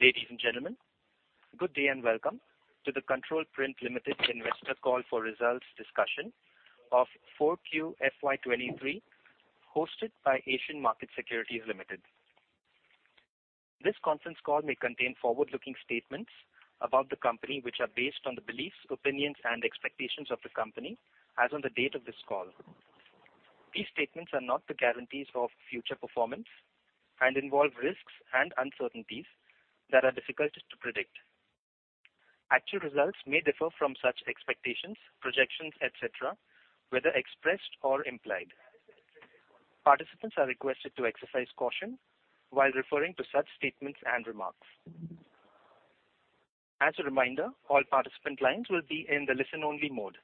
Ladies and gentlemen, good day and welcome to the Control Print Limited Investor Call for Results discussion of 4 QFY 2023, hosted by Asian Markets Securities Limited. This conference call may contain forward-looking statements about the company which are based on the beliefs, opinions and expectations of the company as on the date of this call. These statements are not the guarantees of future performance and involve risks and uncertainties that are difficult to predict. Actual results may differ from such expectations, projections, et cetera, whether expressed or implied. Participants are requested to exercise caution while referring to such statements and remarks. As a reminder, all participant lines will be in the listen-only mode.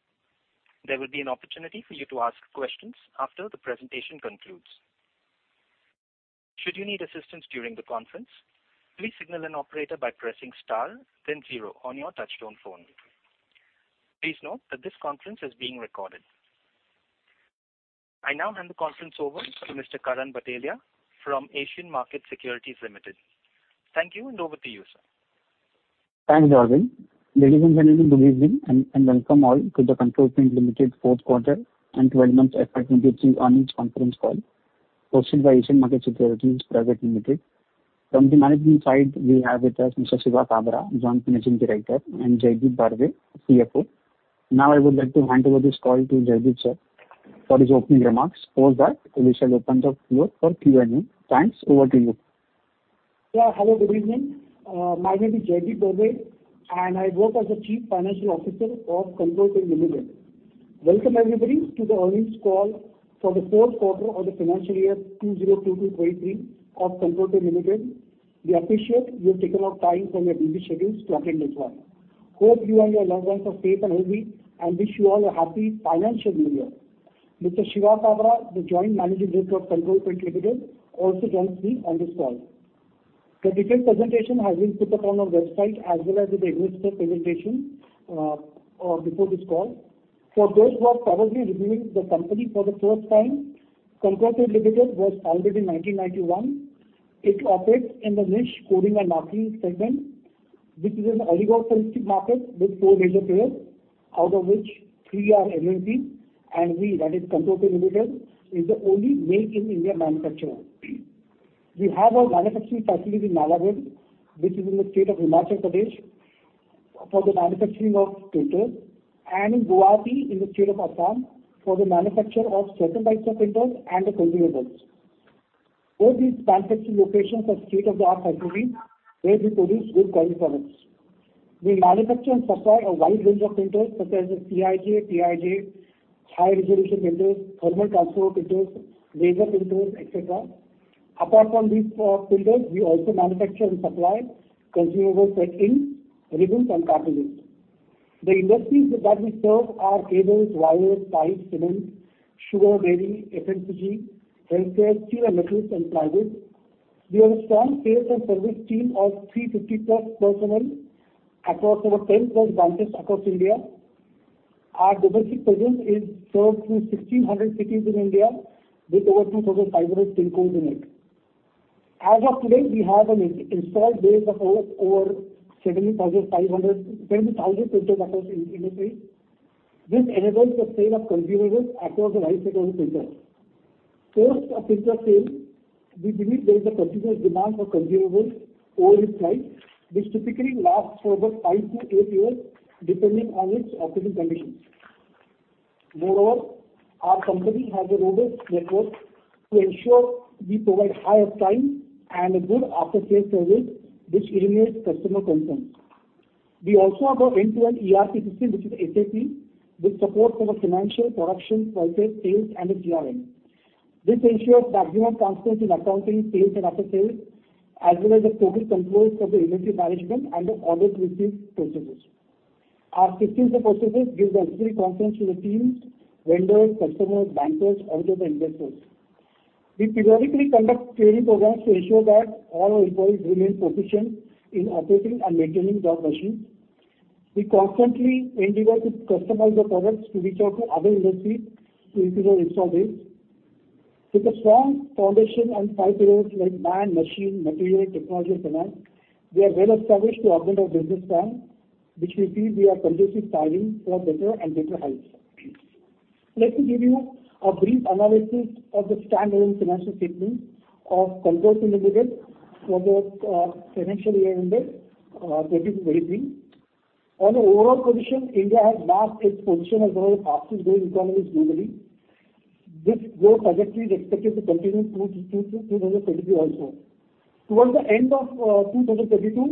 There will be an opportunity for you to ask questions after the presentation concludes. Should you need assistance during the conference, please signal an operator by pressing star then 0 on your touchtone phone. Please note that this conference is being recorded. I now hand the conference over to Mr. Karan Bhatelia from Asian Markets Securities Limited. Thank you and over to you, sir. Thanks, Arvind. Ladies and gentlemen, good evening and welcome all to the Control Print Limited fourth quarter and 12 months FY23 earnings conference call hosted by Asian Markets Securities Private Limited. From the management side, we have with us Mr. Shiva Kabra, Joint Managing Director, and Jaideep Barve, CFO. I would like to hand over this call to Jaideep, sir, for his opening remarks. Post that we shall open the floor for Q&A. Thanks. Over to you. Yeah. Hello, good evening. My name is Jaideep Barve, I work as a Chief Financial Officer of Control Print Limited. Welcome everybody to the earnings call for the fourth quarter of the financial year 2022-23 of Control Print Limited. We appreciate you have taken out time from your busy schedules to attend this one. Hope you and your loved ones are safe and healthy, wish you all a happy financial new year. Mr. Shiva Kabra, the Joint Managing Director of Control Print Limited, also joins me on this call. The detailed presentation has been put up on our website as well as with the investor presentation before this call. For those who are probably reviewing the company for the first time, Control Print Limited was founded in 1991. It operates in the niche coding and marking segment, which is an oligopolistic market with 4 major players, out of which 3 are MNC, and we, that is Control Print Limited, is the only made in India manufacturer. We have our manufacturing facility in Nalagarh, which is in the state of Himachal Pradesh, for the manufacturing of printers and in Guwahati in the state of Assam for the manufacture of certain types of printers and the consumables. Both these manufacturing locations are state of the art factories where we produce good quality products. We manufacture and supply a wide range of printers such as CIJ, TIJ, high resolution printers, thermal transfer printers, laser printers, et cetera. Apart from these printers, we also manufacture and supply consumable set inks, ribbons and cartridges. The industries that we serve are cables, wires, pipes, cement, sugar, dairy, FMCG, healthcare, steel and metals and plastics. We have a strong sales and service team of 350-plus personnel across our 10-plus branches across India. Our diversity presence is served through 1,600 cities in India with over 2,500 PIN codes in it. As of today, we have an installed base of over 70,500, 10,000 printers across industry. This enables the sale of consumables across a wide set of printers. Post a printer sale, we believe there is a continuous demand for consumables over its life, which typically lasts for about 5 to 8 years, depending on its operating conditions. Moreover, our company has a robust network to ensure we provide higher time and a good after sales service which eliminates customer concerns. We also have our end-to-end ERP system, which is SAP, which supports our financial, production, purchase, sales and the CRM. This ensures the optimum constants in accounting, sales and after sales, as well as the total controls of the inventory management and the audit received processes. Our systems and processes gives the necessary confidence to the teams, vendors, customers, bankers as well as the investors. We periodically conduct training programs to ensure that all our employees remain proficient in operating and maintaining their machines. We constantly endeavor to customize the products to reach out to other industries to increase our install base. With a strong foundation and five pillars like man, machine, material, technology and finance, we are well established to augment our business plan, which we feel we are continuously styling for better and better heights. Let me give you a brief analysis of the standalone financial statement of Control Print Limited for the financial year ended 23. On the overall condition, India has marked its position as one of the fastest growing economies globally. This growth trajectory is expected to continue to 2022 also. Towards the end of 2022,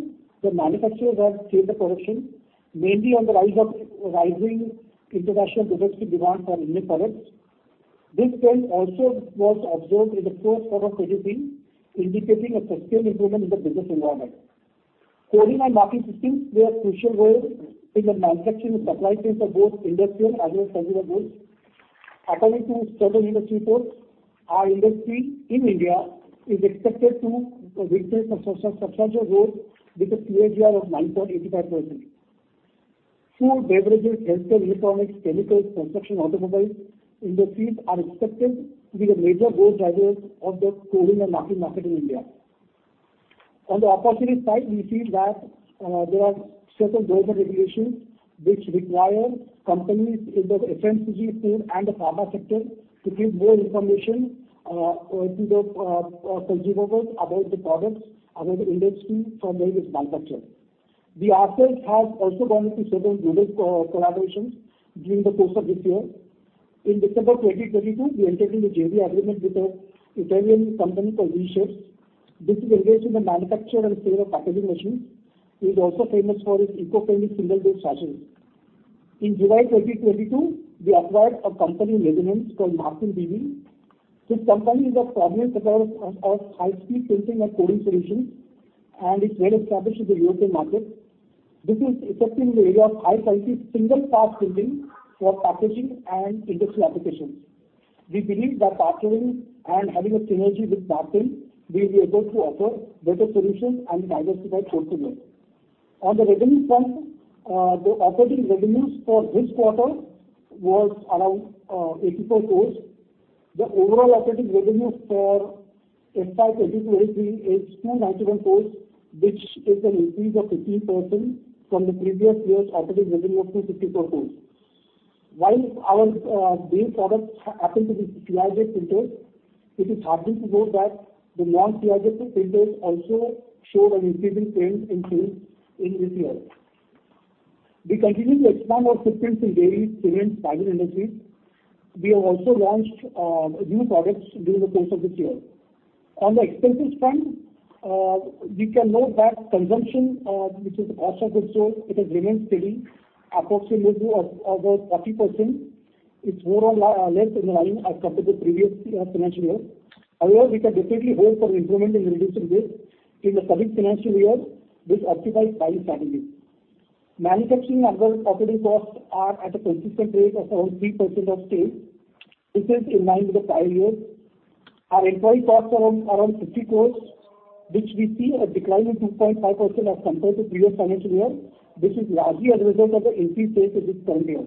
the manufacturers have scaled the production, mainly on the rise of rising international productive demand for Indian products. This trend also was observed in the first quarter of 23, indicating a sustained improvement in the business environment. Coding and marking systems play a crucial role in the manufacturing and supply chains of both industrial as well as consumer goods. According to certain industry reports, our industry in India is expected to retain a sub-substantial growth with a CAGR of 9.85%. Food, beverages, healthcare, electronics, chemicals, construction, automobiles industries are expected to be the major growth drivers of the coding and marking market in India. On the opportunity side, we feel that there are certain government regulations which require companies in the FMCG field and the pharma sector to give more information to the consumables about the products, about the industry from where it's manufactured. We ourselves have also gone into certain business co-collaborations during the course of this year. In December 2022, we entered into JV agreement with an Italian company called V-Shapes, which is engaged in the manufacture and sale of packaging machines, which is also famous for its eco-friendly single dose sachets. In July 2022, we acquired a company in Netherlands called Markem-Imaje. This company is a prominent supplier of high-speed printing and coding solutions, and it's well-established in the European market. This is accepting the area of high-quality single pass printing for packaging and industrial applications. We believe that partnering and having a synergy with Markem, we'll be able to offer better solutions and diversify portfolio. On the revenue front, the operating revenues for this quarter was around 84 crores. The overall operating revenue for FY 2023 is 291 crores, which is an increase of 15% from the previous year's operating revenue of 264 crores. While our base products happen to be CIJ printers, it is happy to note that the non-CIJ printers also showed an increasing trend in sales in this year. We continue to expand our footprints in dairy, cement, pharma industries. We have also launched new products during the course of this year. On the expenses front, we can note that consumption, which is cost of goods sold, it has remained steady approximately of, about 30%. It's more or less in line as compared to the previous year financial year. We can definitely hope for improvement in reducing this in the current financial year with optimized buying strategies. Manufacturing and other operating costs are at a consistent rate of around 3% of sales. This is in line with the prior years. Our employee costs are around 50 crores, which we see a decline of 2.5% as compared to previous financial year. This is largely as a result of the increased sales in this current year.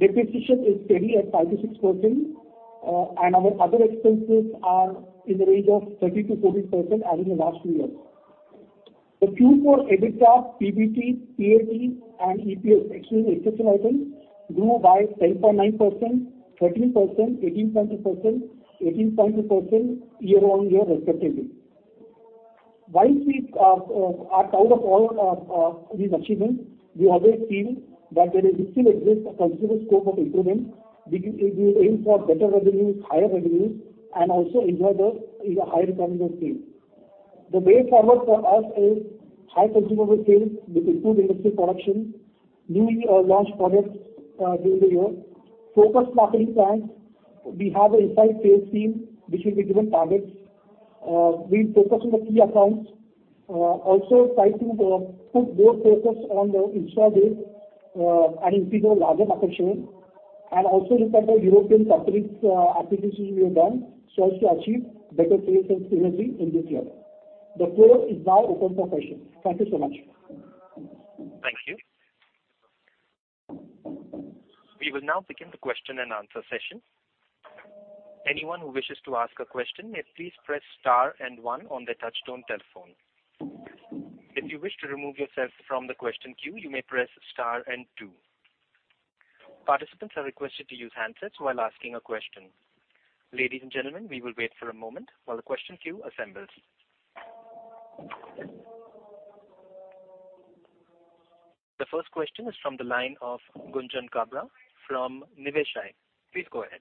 Depreciation is steady at 5%-6%, and our other expenses are in the range of 30%-40% as in the last 2 years. The Q4 EBITDA, PBT, PAT, and EPS, excluding exceptional items, grew by 10.9%, 13%, 18.2%, 18.2% year-on-year respectively. While we are proud of all these achievements, we always feel that there is still exists a considerable scope of improvement. We will aim for better revenues, higher revenues, and also enjoy the, you know, higher margin of sales. The way forward for us is high consumable sales with improved industry production, newly launched products during the year, focused marketing plans. We have an inside sales team which will be given targets. We're focusing on key accounts. Also try to put more focus on the install base and increase our larger customer share, and also look at the European factories acquisitions we have done so as to achieve better sales and synergy in this year. The floor is now open for questions. Thank you so much. Thank you. We will now begin the question and answer session. Anyone who wishes to ask a question may please press star and one on their touchtone telephone. If you wish to remove yourself from the question queue, you may press star and two. Participants are requested to use handsets while asking a question. Ladies and gentlemen, we will wait for a moment while the question queue assembles. The first question is from the line of Gunjan Kabra from Niveshaay. Please go ahead.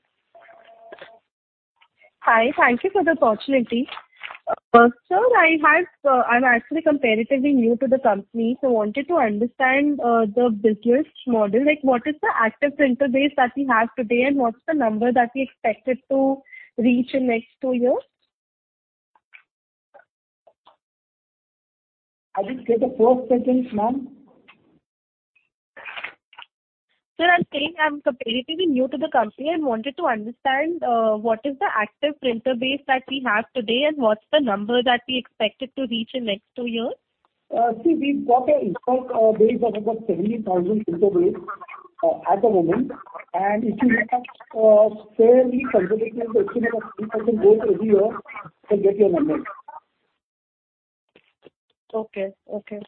Hi. Thank you for the opportunity. Sir, I'm actually comparatively new to the company, so wanted to understand the business model. Like, what is the active printer base that we have today, and what's the number that we expected to reach in next two years? I didn't get the first sentence, ma'am. Sir, I'm saying I'm comparatively new to the company and wanted to understand, what is the active printer base that we have today, and what's the number that we expected to reach in next 2 years? See, we've got a installed base of about 70,000 printer base at the moment. If you look at, fairly conservatively an estimate of 3% growth every year, you can get your numbers. Okay. Okay,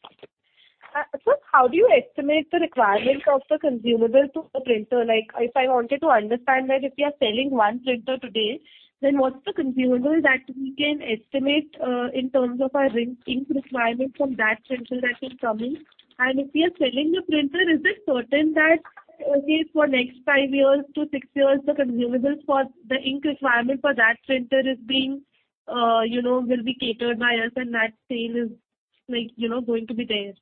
sir, how do you estimate the requirement of the consumable to the printer? Like, if I wanted to understand that if we are selling one printer today, then what's the consumable that we can estimate in terms of our ink requirement from that printer that is coming? If we are selling a printer, is it certain that, okay, for next 5 years to 6 years, the consumables for the ink requirement for that printer is being, you know, will be catered by us and that sale is, like, you know, going to be there.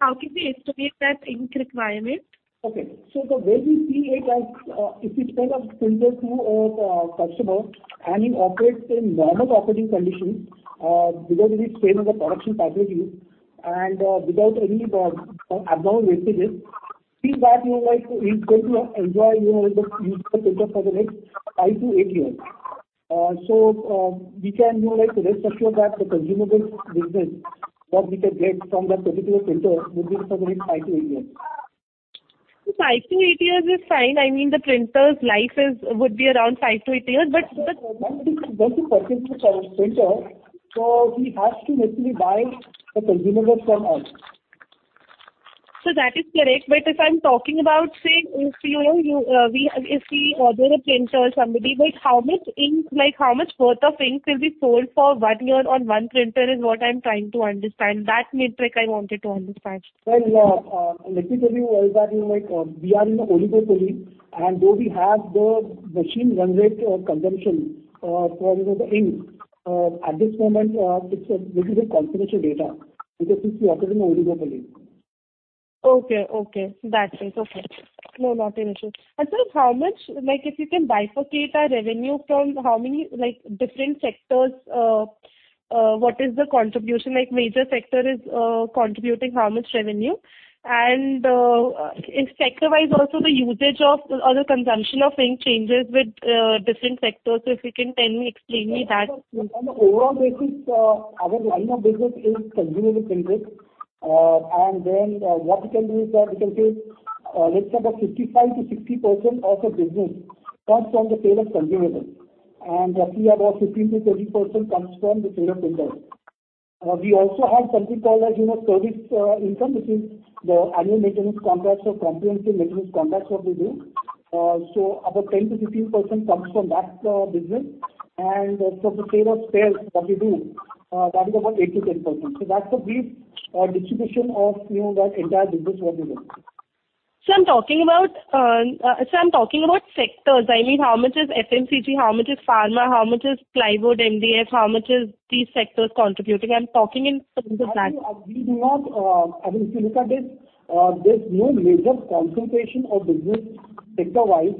How can we estimate that ink requirement? Okay. The way we see it as, if we sell a printer to a customer and it operates in normal operating conditions, because it is trained on the production packages and without any abnormal wastage, feel that, you know, like he's going to enjoy, you know, the use of the printer for the next five to eight years. We can, you know, like rest assured that the consumable business that we can get from that particular printer would be somewhere in 5 to 8 years. Five to eight years is fine. I mean, the printer's life is... would be around five to eight years. Once he purchase the current printer, he has to necessarily buy the consumables from us. Sir, that is correct. If I'm talking about, say, if, youwe order a printer or somebody, like how much ink, like how much worth of ink will be sold for one year on one printer is what I'm trying to understand. That metric I wanted to understand. Let me tell you is that, you know, like, we are in the oligopoly, and though we have the machine run rate or consumption, for the ink, at this moment, it's a little bit confidential data because it's the offering oligopoly. Okay, okay. That's it. Okay. No, not an issue. sir, how much... Like, if you can bifurcate our revenue from how many, like, different sectors, what is the contribution? Like, major sector is contributing how much revenue? if sector-wise also the usage of or the consumption of ink changes with different sectors, if you can tell me, explain me that? An overall basis, our line of business is consumable-centric. What we can do is that we can say, let's say about 55%-60% of the business comes from the sale of consumables, and roughly about 15%-20% comes from the sale of printers. We also have something called a, you know, service income, which is the annual maintenance contracts or comprehensive maintenance contracts what we do. About 10%-15% comes from that business. From the sale of spares that we do, that is about 8%-10%. That's the brief distribution of, you know, that entire business what we do. Sir, I'm talking about sectors. I mean, how much is FMCG? How much is pharma? How much is plywood, MDF? How much is these sectors contributing? I'm talking in terms of that. I think, we do not. I mean, if you look at it, there's no major concentration of business sector-wise.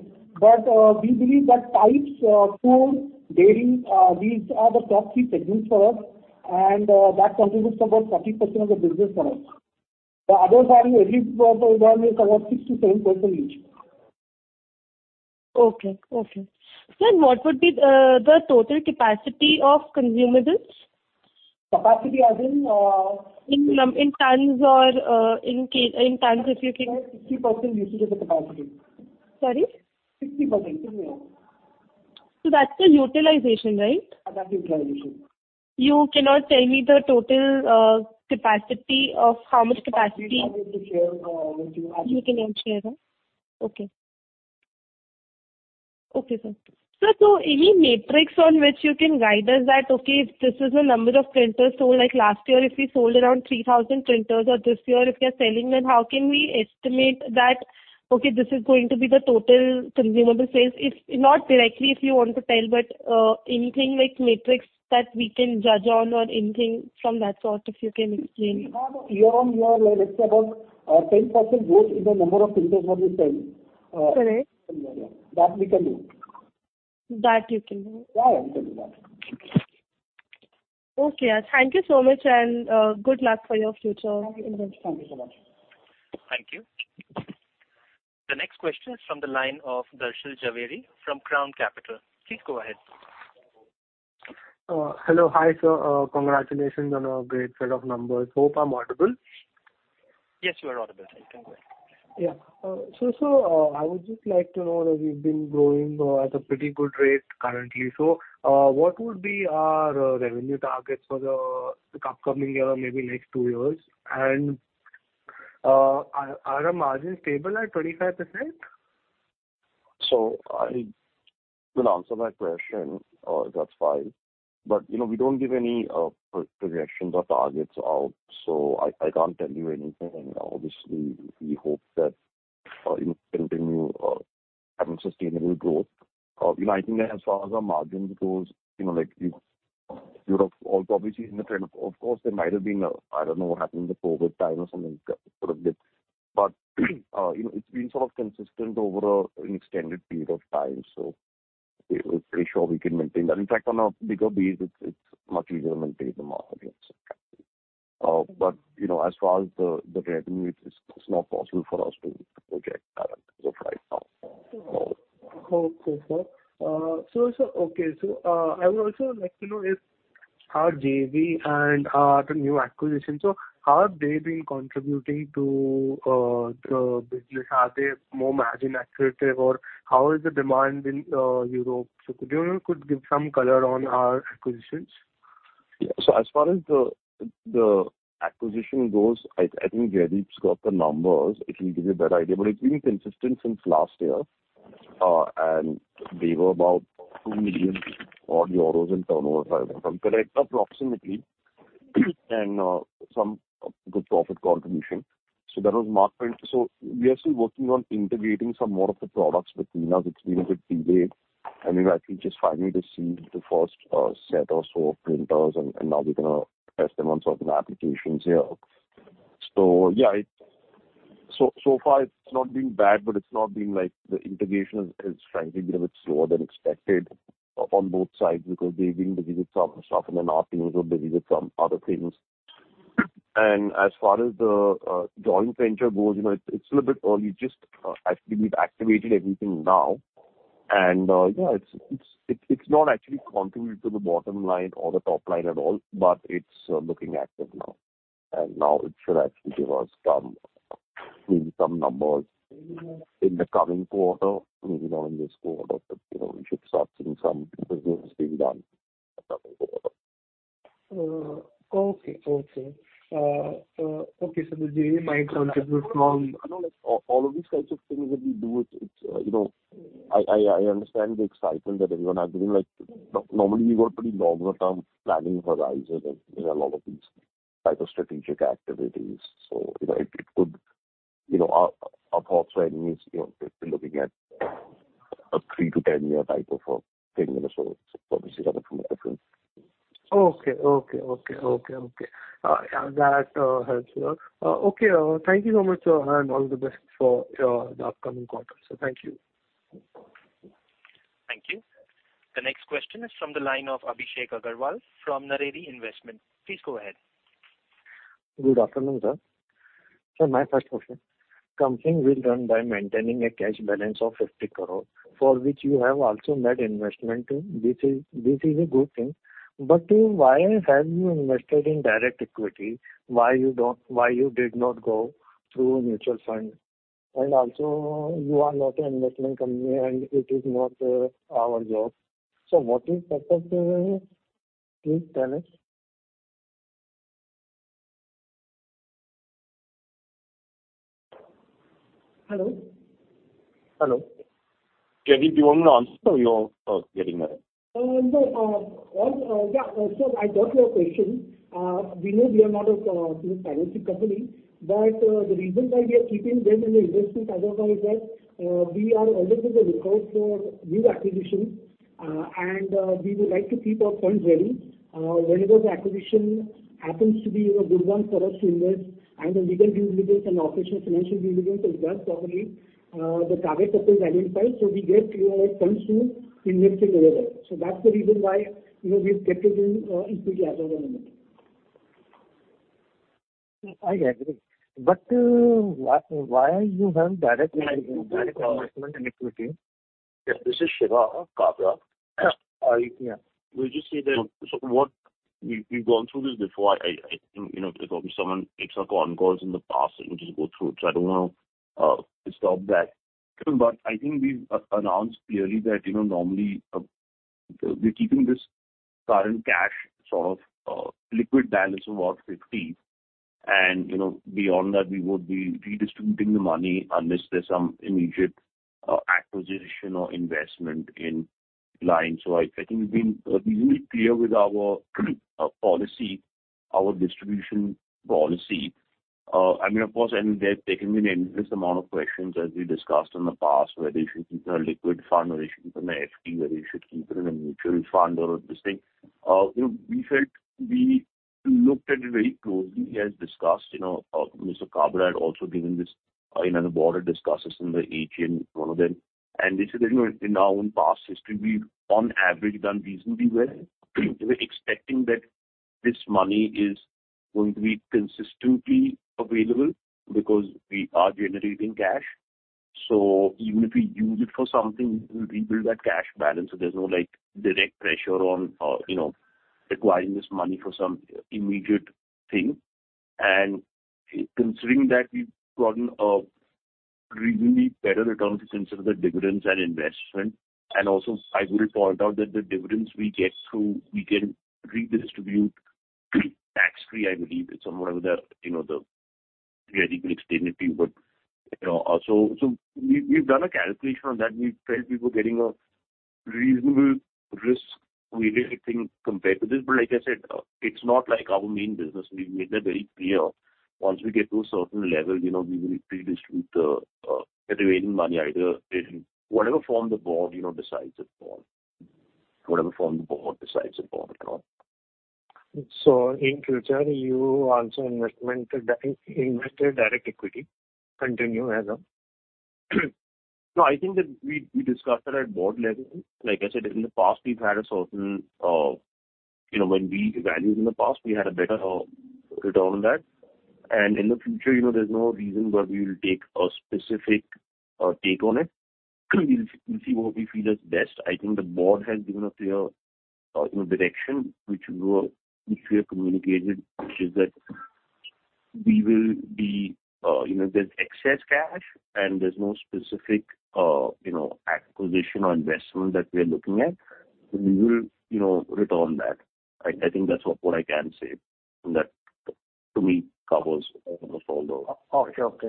We believe that pipes, tools, bearing, these are the top three segments for us and, that contributes about 40% of the business for us. The others are nearly, about 6%-10% each. Okay. Okay. Sir, what would be the total capacity of consumables? Capacity as in... In tons if you can. Sir, 60% usage of the capacity. Sorry? 60% only. that's the utilization, right? That's the utilization. You cannot tell me the total, capacity of how much capacity. Capacity I'm not able to share with you as of now. You cannot share, huh? Okay. Okay, sir. Sir, any metrics on which you can guide us that, okay, if this is the number of printers sold, like last year if we sold around 3,000 printers or this year if we are selling, then how can we estimate that, okay, this is going to be the total consumable sales? If not directly if you want to tell, but, anything like metrics that we can judge on or anything from that sort, if you can explain. We have year-over-year, like let's say about, 10% growth in the number of printers that we sell. Correct. That we can do. That you can do. Yeah, we can do that. Okay. Thank you so much. Good luck for your future endeavors. Thank you so much. Thank you. The next question is from the line of Darshil Jhaveri from Crown Capital. Please go ahead. Hello. Hi, sir. Congratulations on a great set of numbers. Hope I'm audible. Yes, you are audible. Thank you. Go ahead. Yeah. I would just like to know that you've been growing, at a pretty good rate currently. What would be our revenue targets for the upcoming year or maybe next two years? Are our margins stable at 25%? I will answer that question, if that's fine. You know, we don't give any projections or targets out, so I can't tell you anything. Obviously, we hope that, you know, continue having sustainable growth. You know, I think as far as our margins goes, you know, like we've You know, obviously in the trend, of course, there might have been a I don't know what happened in the COVID time or something sort of dip. You know, it's been sort of consistent over an extended period of time, so we're pretty sure we can maintain that. In fact, on a bigger base, it's much easier to maintain the margins, but, you know, as far as the revenue, it's not possible for us to project that as of right now. Okay, sir. Okay. I would also like to know is our JV and our new acquisition, how have they been contributing to the business? Are they more margin accretive or how is the demand in Europe? Could you give some color on our acquisitions? Yeah. As far as the acquisition goes, I think Jaideep's got the numbers. It will give you a better idea. It's been consistent since last year. They were about 2 million odd euros in turnover if I remember correct, approximately. Some good profit contribution. That was Markprint. We are still working on integrating some more of the products with Nina. It's been a bit delayed and we've actually just finally received the first set or so of printers and now we're gonna test them on certain applications here. Yeah, it's... So far it's not been bad, but it's not been like the integration is frankly a little bit slower than expected on both sides because they've been busy with some stuff and then our team is also busy with some other things. As far as the joint venture goes, you know, it's still a bit early. Just, I think we've activated everything now, and yeah, it's not actually contributed to the bottom line or the top line at all, but it's looking active now. Now it should actually give us some, maybe some numbers in the coming quarter. Maybe not in this quarter, but, you know, we should start seeing some business being done in the coming quarter. Okay. Okay. The JV might contribute from- I know, like, all of these kinds of things that we do, it's, you know. I understand the excitement that everyone has been in, like, normally we've got pretty longer-term planning horizons in a lot of these type of strategic activities. You know, it could. You know, our thoughts were anyways, you know, we're still looking at a three to 10-year type of a thing. Obviously that's from a different- Okay, okay. Okay, okay. yeah, that helps, yeah. okay. thank you so much, sir, and all the best for the upcoming quarter. thank you. Thank you. The next question is from the line of Abhishek Agarwal from Naredi Investment. Please go ahead. Good afternoon, sir. My first question. Company will run by maintaining a cash balance of 50 crore for which you have also made investment. This is a good thing, but why have you invested in direct equity? Why you did not go through mutual fund? You are not an investment company, and it is not our job. What is purpose doing it? Please tell us. Hello? Hello. Can we give him an answer? You're getting that. No. Well, yeah. I got your question. We know we are not a, you know, financing company. The reason why we are keeping them in the investment category is that, we are always on the lookout for new acquisitions, and we would like to keep our funds ready. Whenever the acquisition happens to be a good one for us to invest and the legal due diligence and operational financial due diligence is done properly, the target is identified, we get, you know, funds to invest in whatever. That's the reason why, you know, we've kept it in. Okay. Okay.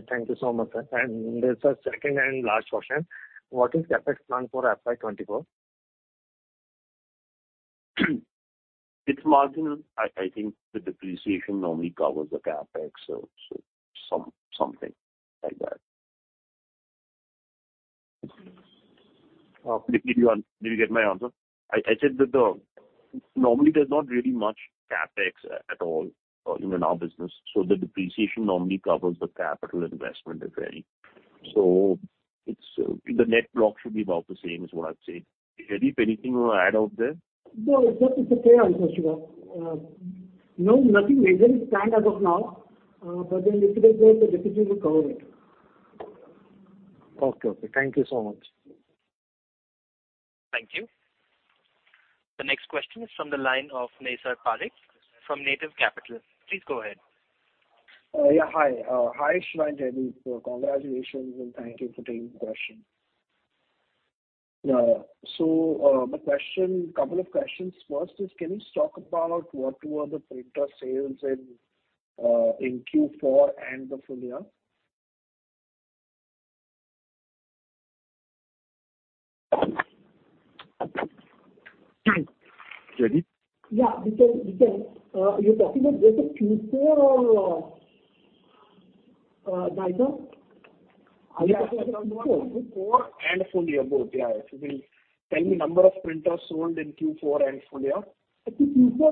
Thank you so much, sir. There's a second and last question. What is CapEx plan for FY 2024? It's marginal. I think the depreciation normally covers the CapEx, so something like that. Okay. Did you get my answer? I said that the... Normally there's not really much CapEx at all in our business. The depreciation normally covers the capital investment, if any. The net block should be about the same is what I'd say. Jaideep, anything you wanna add out there? No, it's a, it's a fair answer, Shiva. No, nothing major is planned as of now, but then if it is there, the results will cover it. Okay. Okay. Thank you so much. Thank you. The next question is from the line of Naisar Parikh from Native Capital. Please go ahead. Yeah. Hi, Shiva and Jaideep. Congratulations, and thank you for taking the question. The question, couple of questions. First is, can you talk about what were the printer sales in Q4 and the full year? Jaideep? Yeah. We can. You're talking about just the Q4 or the entire? Yeah. Q4 and full year, both. Yeah. If you can tell me number of printers sold in Q4 and full year. Q4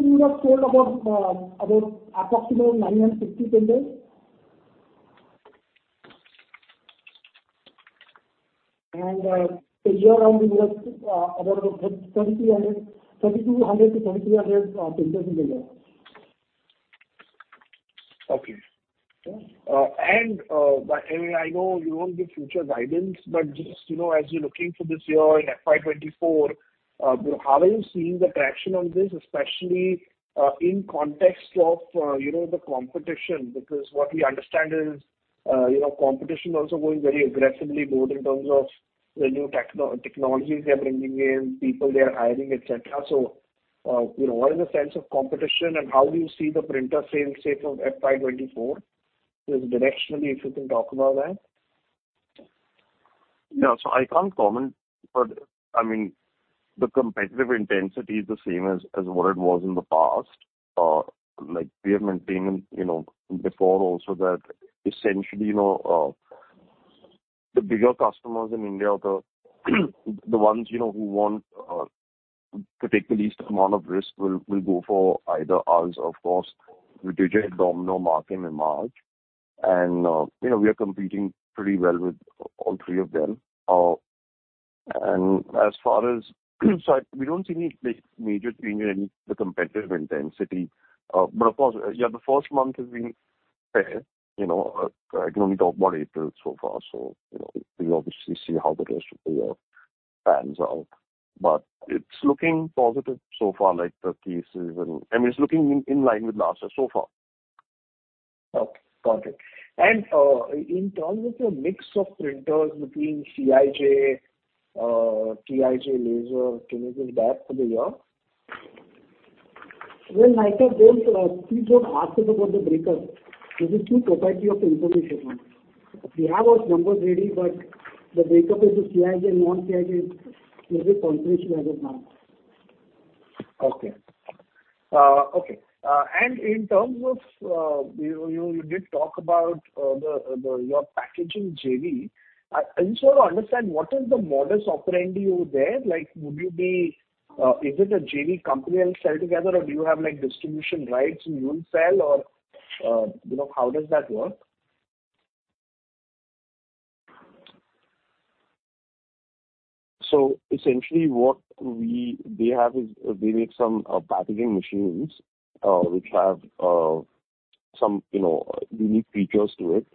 we would have sold about approximately 950 printers. The year on we would have, about 2,200 to 2,300 printers in the year. Okay. Yeah. I mean, I know you won't give future guidance, but just, you know, as you're looking for this year in FY 2024, how are you seeing the traction on this, especially, in context of, you know, the competition? Because what we understand is, you know, competition also going very aggressively, both in terms of the new technologies they are bringing in, people they are hiring, et cetera. You know, what is the sense of competition, and how do you see the printer sales shape of FY 2024? Just directionally, if you can talk about that. Yeah. I can't comment, but I mean, the competitive intensity is the same as what it was in the past. Like we have maintained, you know, before also that essentially, you know, the bigger customers in India are the ones, you know, who want to take the least amount of risk will go for either us, of course, Ricoh, Domino, Markem-Imaje. You know, we are competing pretty well with all three of them. We don't see any big major change in the competitive intensity. Of course, yeah, the first month has been fair. You know, I can only talk about April so far, so, you know, we'll obviously see how the rest of the year pans out. It's looking positive so far, like the cases and... I mean, it's looking in line with last year so far. Okay. Got it. In terms of your mix of printers between CIJ, TIJ laser, can you give that for the year? Well, Naisar, those, please don't ask us about the breakup. This is too proprietary of information. We have those numbers ready, but the breakup into CIJ and non-CIJ is a bit confidential as of now. Okay. Okay. In terms of, you did talk about, the your packaging JV. I just want to understand. What is the modus operandi over there? Like, is it a JV company will sell together or do you have, like, distribution rights and you'll sell? You know, how does that work? Essentially what they have is they make some packaging machines, which have, you know, unique features to it,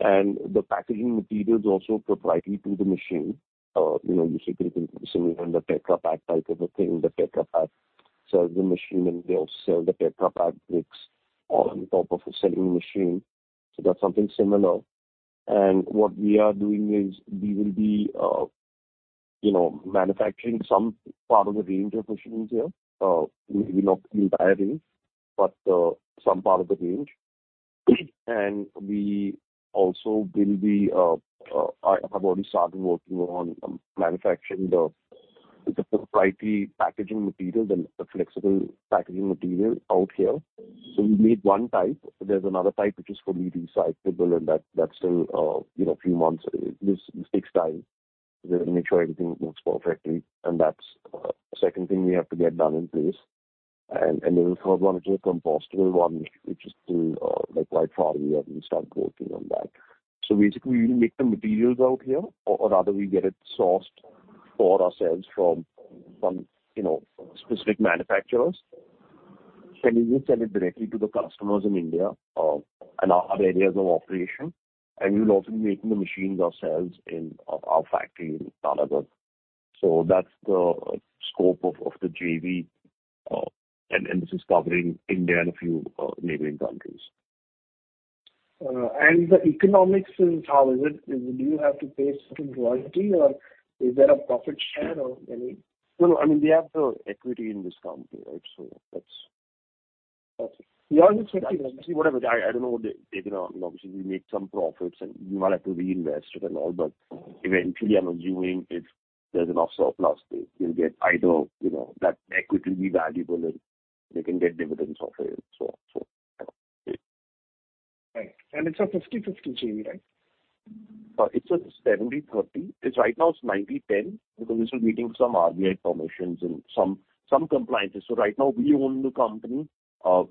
and the packaging materials also proprietary to the machine. You know, basically similar on the Tetra Pak type of a thing. The Tetra Pak sells the machine, and they also sell the Tetra Pak bricks on top of selling the machine. That's something similar. What we are doing is we will be, you know, manufacturing some part of the range of machines here. Maybe not the entire range, but some part of the range. We also will be, I have already started working on manufacturing the proprietary packaging materials and the flexible packaging material out here. We made 1 type. There's another type which is fully recyclable and that's still, you know, a few months. This takes time. We have to make sure everything works perfectly, and that's second thing we have to get done in place. The third one, which is compostable one, which is still like quite far, we haven't even started working on that. Basically, we will make the materials out here or rather we get it sourced for ourselves from, you know, specific manufacturers. We will sell it directly to the customers in India and other areas of operation. We'll also be making the machines ourselves in our factory in Talegaon. That's the scope of the JV. This is covering India and a few neighboring countries. The economics, how is it? Do you have to pay some royalty or is there a profit share or any? No, I mean, we have the equity in this company, right? Okay. You all get 50, right? Whatever. I don't know what they... You know, obviously we make some profits and we might have to reinvest it and all. Eventually I'm assuming if there's enough surplus, we'll get either, you know, that equity will be valuable and they can get dividends off it. Yeah. Right. It's a 50/50 JV, right? It's a 70-30. It's right now it's 90-10 because we're still getting some RBI permissions and some compliances. Right now we own the company.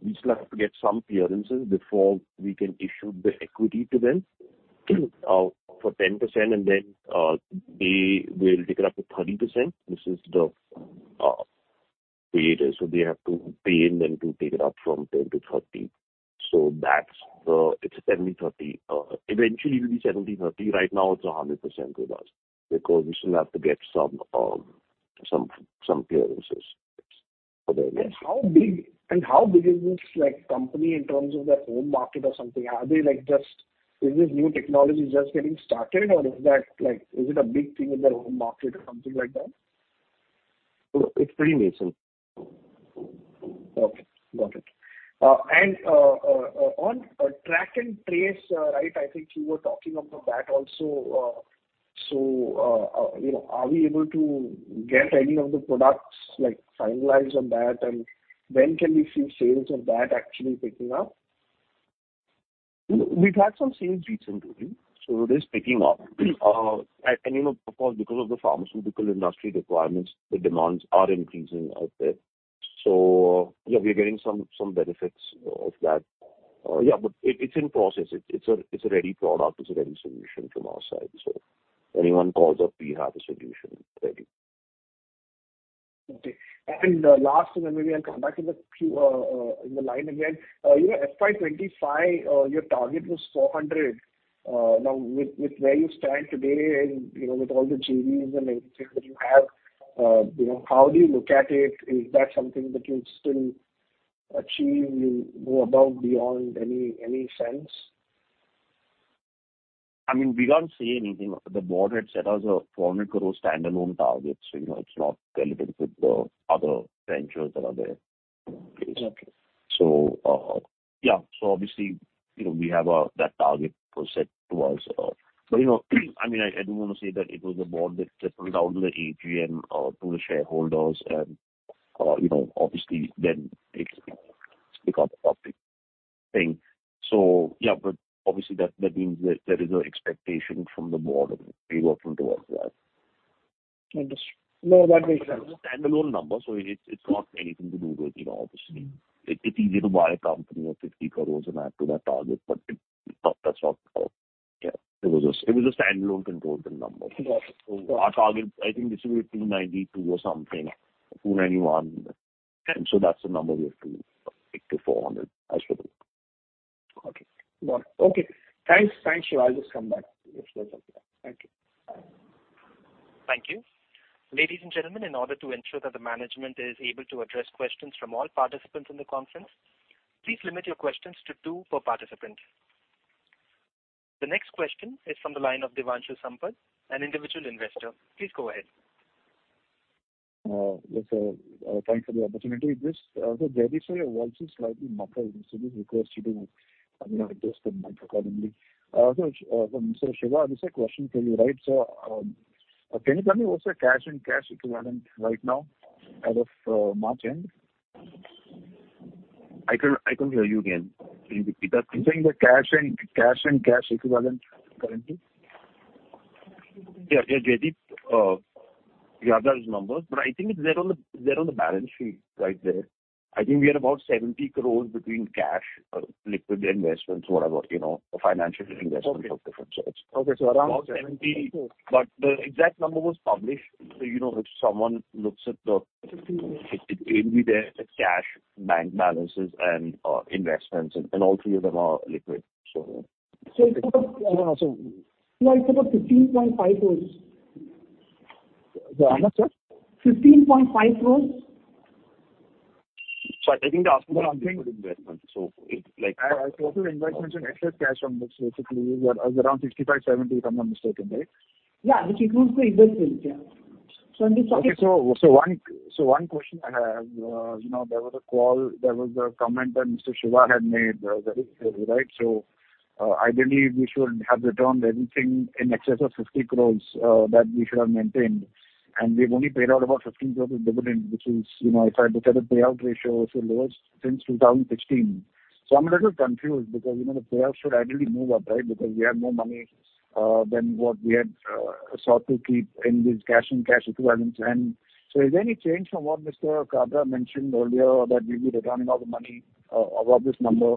We still have to get some clearances before we can issue the equity to them for 10%, and then they will take it up to 30%. They have to pay and then to take it up from 10 to 30. It's a 10 to 30. Eventually it will be 70/30. Right now it's a 100% with us because we still have to get some clearances. How big is this, like, company in terms of their own market or something? Are they like Is this new technology just getting started or is that like, is it a big thing in their own market or something like that? It's pretty recent. Okay. Got it. On track and trace, right, I think you were talking about that also. You know, are we able to get any of the products, like, finalized on that? When can we see sales of that actually picking up? We've had some sales recently, so it is picking up. You know, of course, because of the pharmaceutical industry requirements, the demands are increasing out there. Yeah, we are getting some benefits of that. Yeah, but it's in process. It's a ready product. It's a ready solution from our side. If anyone calls up, we have the solution ready. Okay. Last one, and maybe I'll come back in the queue, in the line again. You know, FY 2025, your target was 400. Now with where you stand today and, you know, with all the JVs and everything that you have, you know, how do you look at it? Is that something that you'll still achieve, you go above, beyond any sense? I mean, we can't say anything. The board had set us a 400 crore standalone target, you know, it's not relevant with the other ventures that are there in place. Okay. Yeah. Obviously, you know, we have that target was set to us. You know, I mean, I do wanna say that it was the board that took it down to the AGM to the shareholders and, you know, obviously then it become a public thing. Yeah. Obviously that means there is a expectation from the board and we're working towards that. Understood. No, that makes sense. It was a standalone number, so it's not anything to do with, you know, obviously. It's easy to buy a company of 50 crores and add to that target, but that's not. It was a standalone controlled number. Got it. Our target, I think this will be 292 or something. 291. Okay. That's the number we have to take to 400 as per the. Okay. Got it. Okay. Thanks. Thanks, Shiva. I'll just come back if there's something else. Thank you. Thank you. Ladies and gentlemen, in order to ensure that the management is able to address questions from all participants in the conference, please limit your questions to 2 per participant. The next question is from the line of Devanshu Sampat, an individual investor. Please go ahead. Yes, sir. Thanks for the opportunity. Just, Jaideep Sir, your voice is slightly muffled, so we request you to, you know, adjust the mic accordingly. Mr. Shiva, this is a question for you, right? Can you tell me what's your cash and cash equivalent right now as of March end? I couldn't hear you again. Can you repeat that? You're saying the cash and cash and cash equivalent currently? Yeah. Yeah, Jaideep, you have those numbers. I think it's there on the balance sheet right there. I think we are about 70 crores between cash, liquid investments, whatever, you know, financial investments of different sorts. Okay. Okay. About 70. The exact number was published. You know, if someone looks at the it'll be there as a cash, bank balances and investments. All three of them are liquid, so. it's about. Shiva, also- No, it's about 15.5 crores. The amount, sir? INR 15.5 crores. I think he's asking about liquid investments. I total investments in excess cash from this basically is around 65-70, if I'm not mistaken. Right? Yeah. Which includes the investments. Yeah. Okay. One question I have, you know, there was a call, there was a comment that Mr. Shiva had made very clearly, right? Ideally we should have returned everything in excess of 50 crore that we should have maintained, and we've only paid out about 15 crore of dividend, which is, you know, if I look at the payout ratio is the lowest since 2016. I'm a little confused because, you know, the payout should ideally move up, right? Because we have more money than what we had sought to keep in this cash and cash equivalents. Is there any change from what Mr. Kabra mentioned earlier that we'll be returning all the money above this number?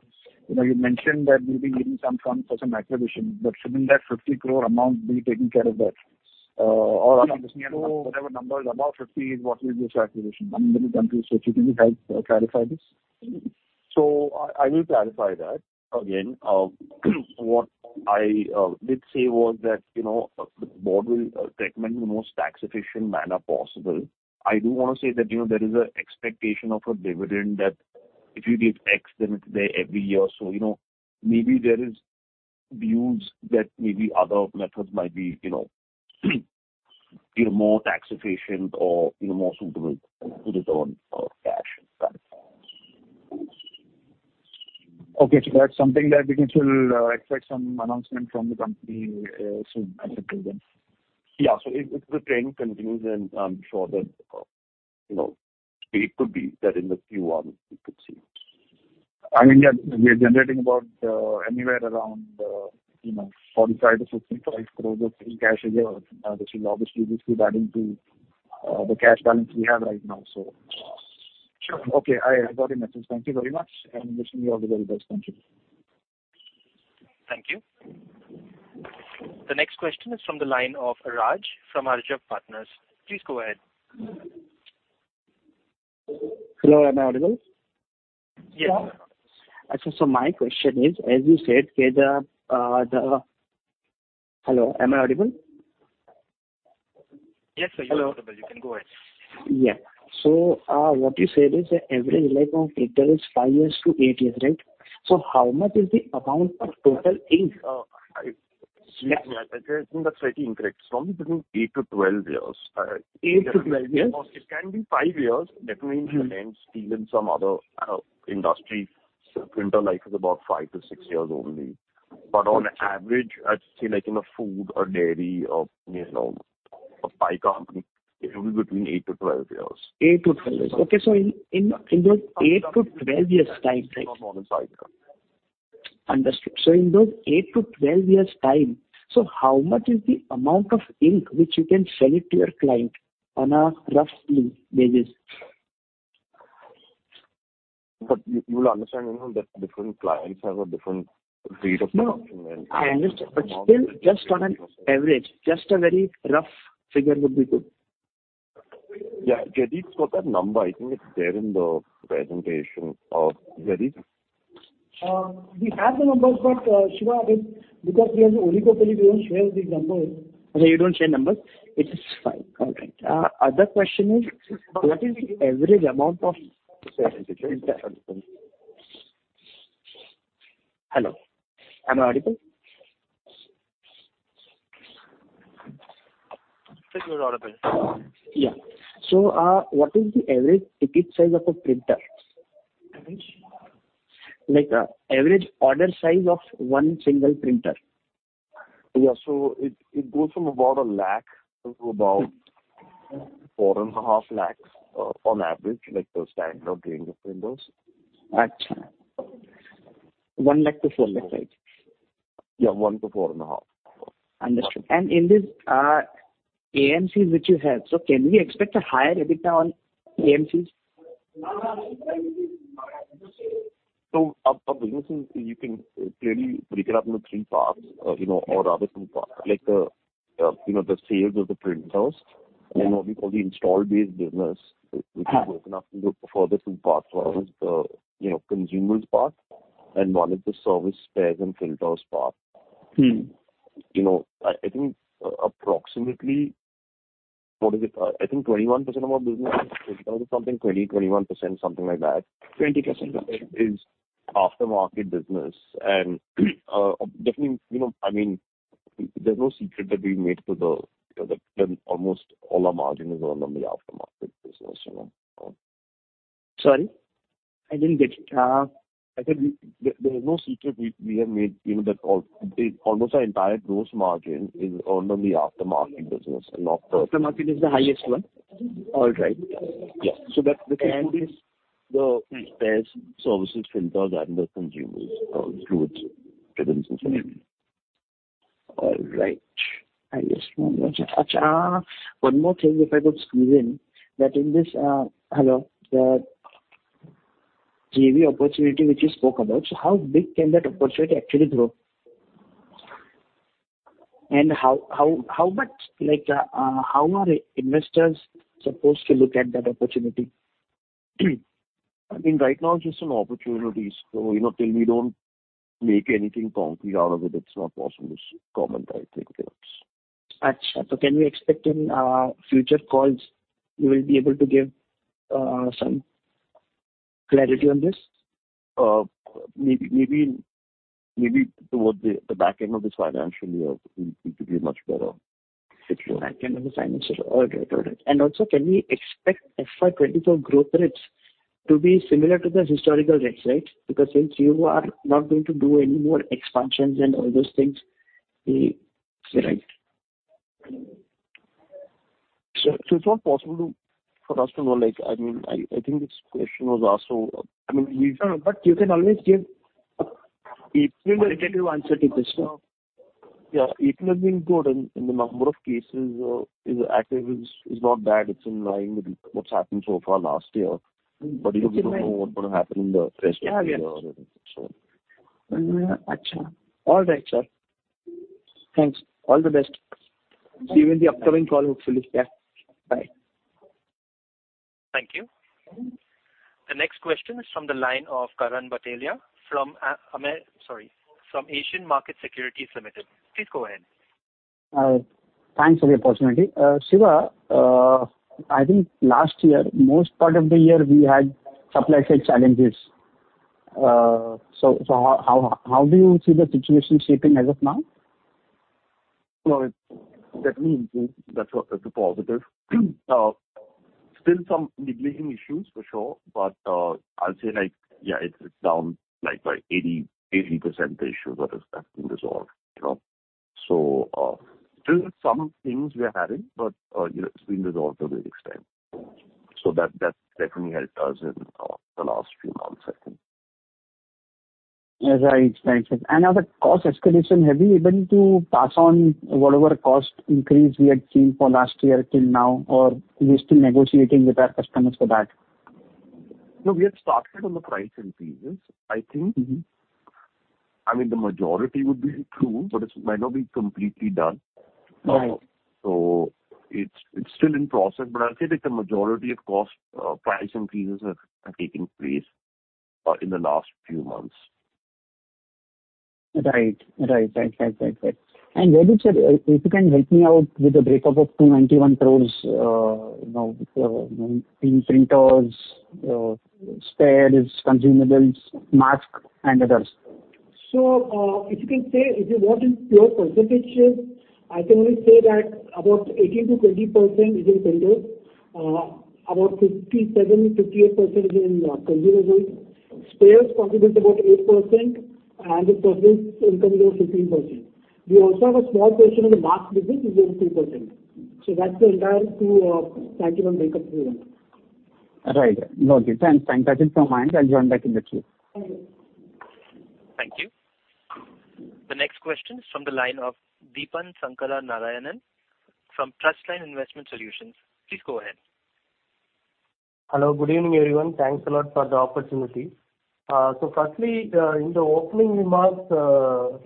You know, you mentioned that we'll be leaving some funds for some acquisition, but shouldn't that 50 crore amount be taking care of that? I'm missing whatever number is above 50 is what we use for acquisition. I'm a little confused. If you can help clarify this. I will clarify that again. What I did say was that, you know, the board will recommend the most tax efficient manner possible. I do wanna say that, you know, there is a expectation of a dividend that if you give X, then it's there every year. You know, maybe there is views that maybe other methods might be, you know, more tax efficient or, more suitable to return cash and that. Okay. That's something that we can still expect some announcement from the company soon, I suppose then. Yeah. If the trend continues, then I'm sure that, you know, it could be that in the Q1 we could see it. I mean, yeah, we are generating about, anywhere around, you know, 45-55 crores of free cash a year. This will obviously just be adding to the cash balance we have right now, so. Sure. Okay. I got the message. Thank you very much, and wishing you all the very best. Thank you. Thank you. The next question is from the line of Raaj from Arjav Partners. Please go ahead. Hello, am I audible? Yes. my question is, as you said, where the Hello, am I audible? Yes, sir, you are audible. You can go ahead. Yeah. What you said is the average life of printer is 5-8 years, right? How much is the amount of total ink? Excuse me. I think that's slightly incorrect. It's normally between 8 to 12 years. Eight years-12 years. It can be 5 years, definitely in cement, steel and some other industry printer life is about 5-6 years only. On average, I'd say like in a food or dairy or, you know, a pie company, it will be between 8-12 years. 8-12 years. Okay, in those 8-12 years time. Understood. In those 8-12 years time, how much is the amount of ink which you can sell it to your client on a roughly basis? You will understand, you know, that different clients have a different speed of consumption. No, I understand. Still, just on an average, just a very rough figure would be good. Yeah. Jaideep's got that number. I think it's there in the presentation. Jaideep? We have the numbers, Shiva, I mean, because we are the only company, we don't share these numbers. Oh, you don't share numbers? It is fine. All right. other question is, what is the average amount of Hello, am I audible? Yes, you are audible. Yeah. What is the average ticket size of a printer? Average? Like, average order size of one single printer. Yeah. It goes from about 1 lakh to about 4 and a half lakhs on average, like the standard range of printers. Gotcha. INR 1 lakh-INR 4 lakh, right? Yeah, 1 to 4.5. Understood. In this, AMCs which you have, can we expect a higher EBITDA on AMCs? Our business is, you can clearly break it up into three parts, you know, or rather two parts. Like, you know, the sales of the printers and what we call the install-based business, which is broken up into further two parts. One is the, you know, consumers part and one is the service spares and filters part. Mm-hmm. You know, I think approximately, what is it? I think 21% of our business is something 20, 21%, something like that. 20%. Is aftermarket business. Definitely, you know, I mean, there's no secret that we made to the, you know, the almost all our margin is on the aftermarket business, you know. Sorry, I didn't get you. There is no secret we have made, you know, that almost our entire gross margin is earned on the aftermarket business and not. Aftermarket is the highest one? All right. Yeah. So that includes- The spares, services, filters and the consumers, fluids, chemicals and everything. All right. I guess one more. Achha, one more thing if I could squeeze in, that in this. Hello? The JV opportunity which you spoke about, how big can that opportunity actually grow? How much, like, how are investors supposed to look at that opportunity? I mean, right now it's just an opportunity. You know, till we don't make anything concrete out of it's not possible to comment, I think. Achha. Can we expect in future calls you will be able to give some clarity on this? Maybe towards the back end of this financial year we could be much better. Back end of the financial year. All right. All right. Also, can we expect FY 2024 growth rates to be similar to the historical rates, right? Because since you are not going to do any more expansions and all those things, is that right? So it's not possible for us to know, like, I mean, I think this question was asked. No, but you can always give a tentative answer to this, no? Yeah. It has been good and the number of cases is active is not bad. It's in line with what's happened so far last year. We don't know what's gonna happen in the rest of the year. Achha. All right, sir. Thanks. All the best. See you in the upcoming call, hopefully. Yeah. Bye. Thank you. The next question is from the line of Karan Bhatelia from Asian Market Securities Limited. Please go ahead. Thanks for the opportunity. Shiva, I think last year, most part of the year we had supply side challenges. How do you see the situation shaping as of now? Well, definitely improve. That's a positive. Still some niggling issues for sure, but I'll say like, yeah, it's down like by 80% the issues that is left unresolved, you know. Still some things we are having, but, you know, it's been resolved to a great extent. That, that definitely helped us in the last few months, I think. Yes, I expected. On the cost escalation, have you been able to pass on whatever cost increase we had seen for last year till now, or you're still negotiating with our customers for that? No, we have started on the price increases. Mm-hmm. I mean, the majority would be true, but it might not be completely done. Right. It's still in process, but I'll say that the majority of cost, price increases are taking place in the last few months. Right. Right. Right. Right. Right. Right. Where is your... if you can help me out with the breakup of 291 crores, you know, in printers, spares, consumables, mask and others? If you can say if you want in pure percentages, I can only say that about 18%-20% is in printers. About 57%, 58% is in consumables. Spares contribute about 8%, and the services income is 15%. We also have a small portion of the mask business is only 3%. That's the entire 291 breakup for you. Okay. Thanks. Thanks. That is from mine. I'll join back in the queue. Thank you. Thank you. The next question is from the line of Deepan Sankaranarayanan from TrustLine Investment Solutions. Please go ahead. Hello, good evening, everyone. Thanks a lot for the opportunity. Firstly, in the opening remarks,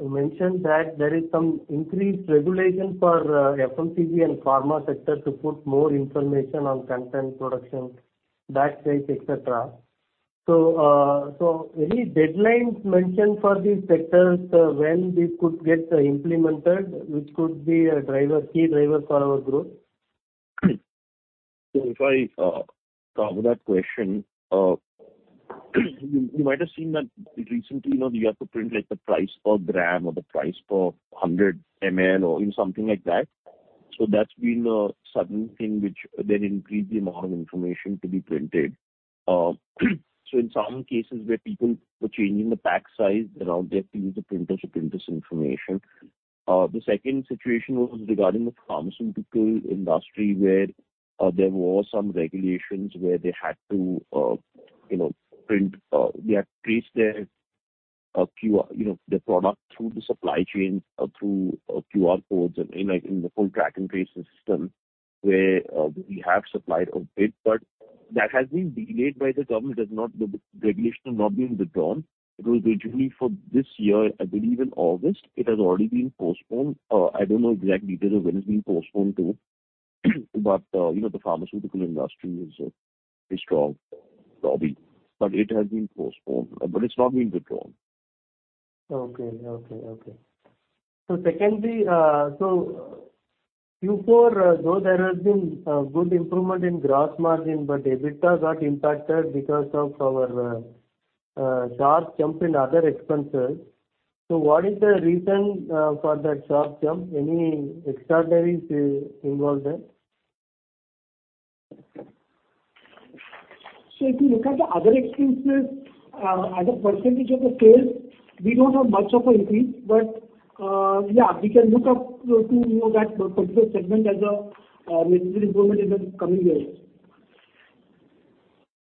you mentioned that there is some increased regulation for FMCG and pharma sector to put more information on content production, batch size, et cetera. Any deadlines mentioned for these sectors, when this could get implemented, which could be a driver, key driver for our growth? If I cover that question, you might have seen that recently, you know, you have to print like the price per gram or the price per 100 mL or something like that. That's been a sudden thing which then increased the amount of information to be printed. In some cases where people were changing the pack size around, they have to use the printers to print this information. The second situation was regarding the pharmaceutical industry, where there were some regulations where they had to, you know, print, they had to trace their QR, you know, their product through the supply chain, through QR codes and in, like, in the full track and trace system where we have supplied a bit, but that has been delayed by the government. The regulation has not been withdrawn. It was originally for this year, I believe in August. It has already been postponed. I don't know exact details of when it's been postponed to, but, you know, the pharmaceutical industry is a strong lobby, but it has been postponed. It's not been withdrawn. Okay. Okay. Okay. Secondly, so Q4, though there has been a good improvement in gross margin, but EBITDA got impacted because of our sharp jump in other expenses. What is the reason for that sharp jump? Any extraordinaries involved there? If you look at the other expenses as a % of the sales, we don't have much of a increase. Yeah, we can look up to, you know, that particular segment as a maybe improvement in the coming years.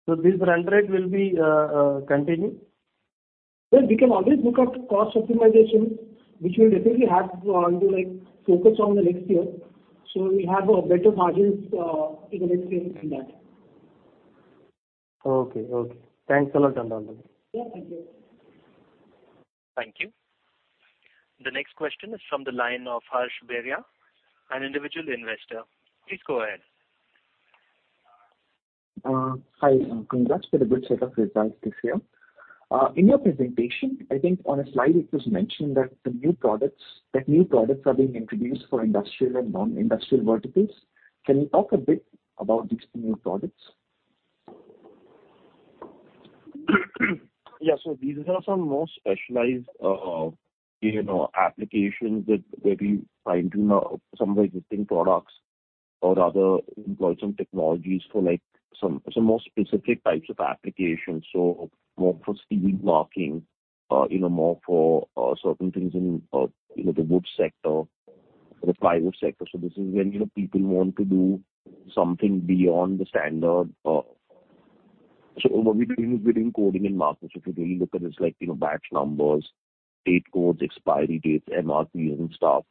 This run rate will be continuing? Well, we can always look at cost optimization, which we'll definitely have to do, like, focus on the next year, so we have better margins in the next year than that. Okay. Okay. Thanks a lot, Kandasamy. Yeah. Thank you. Thank you. The next question is from the line of Harsh Beria, an Individual Investor. Please go ahead. Hi. Congrats for the good set of results this year. In your presentation, I think on a slide it was mentioned that new products are being introduced for industrial and non-industrial verticals. Can you talk a bit about these new products? Yeah. These are some more specialized, you know, applications that we try to, you know, some of the existing products or other involve some technologies for, like, some more specific types of applications. More for steel marking, you know, more for certain things in, you know, the wood sector or the fiber sector. This is when, you know, people want to do something beyond the standard. What we do is we're doing coding and marking. If you really look at it's like, you know, batch numbers, date codes, expiry dates, MRPs and stuff.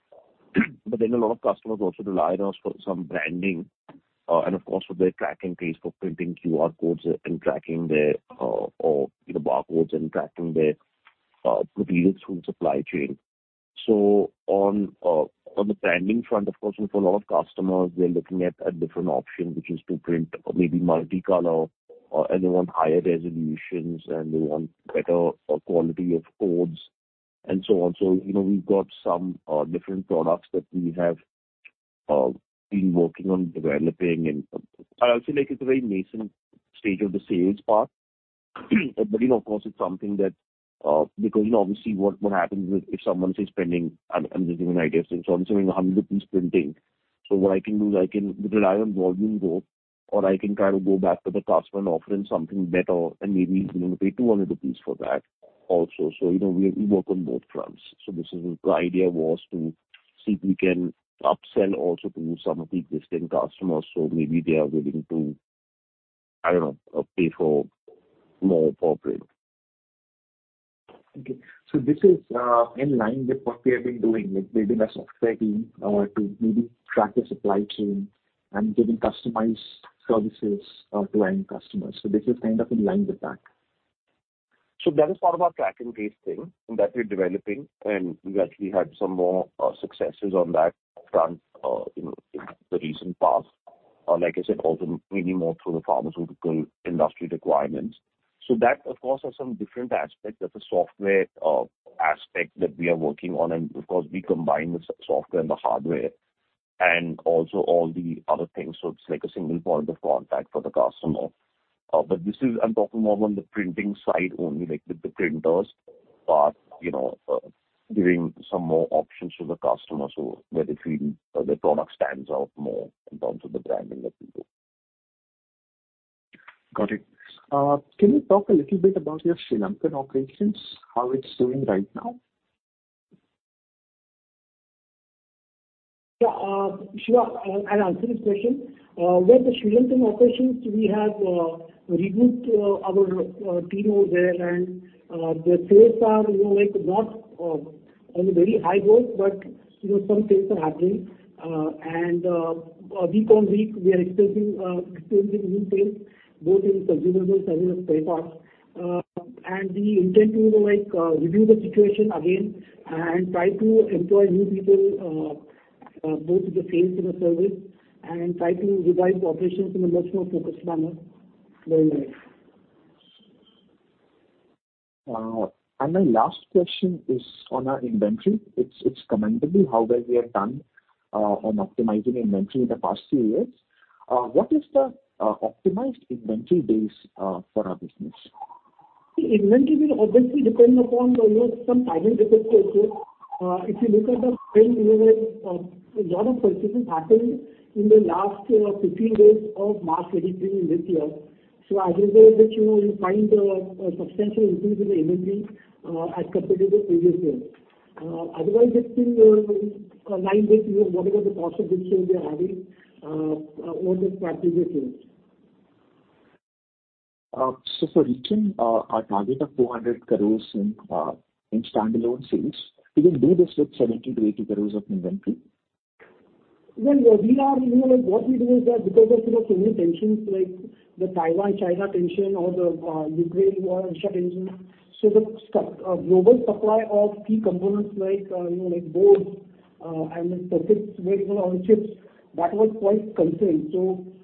A lot of customers also rely on us for some branding, and of course for their track and trace, for printing QR codes and tracking their, or, you know, barcodes and tracking their materials through the supply chain. On the branding front, of course, for a lot of customers, they're looking at a different option, which is to print maybe multicolor or they want higher resolutions and they want better quality of codes and so on. You know, we've got some different products that we have been working on developing. I'll say, like, it's a very nascent stage of the sales part. You know, of course it's something that because, you know, obviously what happens is if someone, say, spending, I'm just giving an idea. I'm saying 100 printing. What I can do is I can rely on volume growth, or I can try to go back to the customer and offer him something better and maybe he's gonna pay 200 rupees for that also. You know, we work on both fronts. The idea was to see if we can upsell also to some of the existing customers. Maybe they are willing to, I don't know, pay for more per print. This is in line with what we have been doing, like building a software team to maybe track the supply chain and giving customized services to end customers. This is kind of in line with that. That is part of our track and trace thing that we're developing. We actually had some more successes on that front, you know, in the recent past. Like I said, also mainly more for the pharmaceutical industry requirements. That of course has some different aspects. There's a software aspect that we are working on. Of course, we combine the software and the hardware and also all the other things. It's like a single point of contact for the customer. This is... I'm talking more on the printing side only, like with the printers part, you know, giving some more options to the customer so that it will the product stands out more in terms of the branding that we do. Got it. Can you talk a little bit about your Sri Lankan operations, how it's doing right now? Yeah, Shiva, I'll answer this question. With the Sri Lankan operations, we have regrouped our team over there and the sales are, you know, like not on a very high growth, but you know, some things are happening. Week on week we are expecting new things both in consumables as well as spare parts. We intend to, you know, like review the situation again and try to employ new people both in the sales and the service and try to revive the operations in a much more focused manner going ahead. My last question is on our inventory. It's commendable how well we have done on optimizing inventory in the past few years. What is the optimized inventory days for our business? Inventory will obviously depend upon, you know, some timing differences. If you look at the time, you know, like, a lot of purchases happened in the last 15 days of March 2023 in this year. As a result, you know, you find a substantial increase in the inventory as compared to the previous year. Otherwise it's been in line with, you know, whatever the cost of good sales we are having over the past few years. For reaching our target of 400 crores in standalone sales, we will do this with 70 crores-80 crores of inventory? Well, you know, like what we do is that because of, you know, so many tensions like the Taiwan-China tension or the Ukraine war, Russia tension. The global supply of key components like, you know, like boards, and then circuits, variable or chips, that was quite constrained.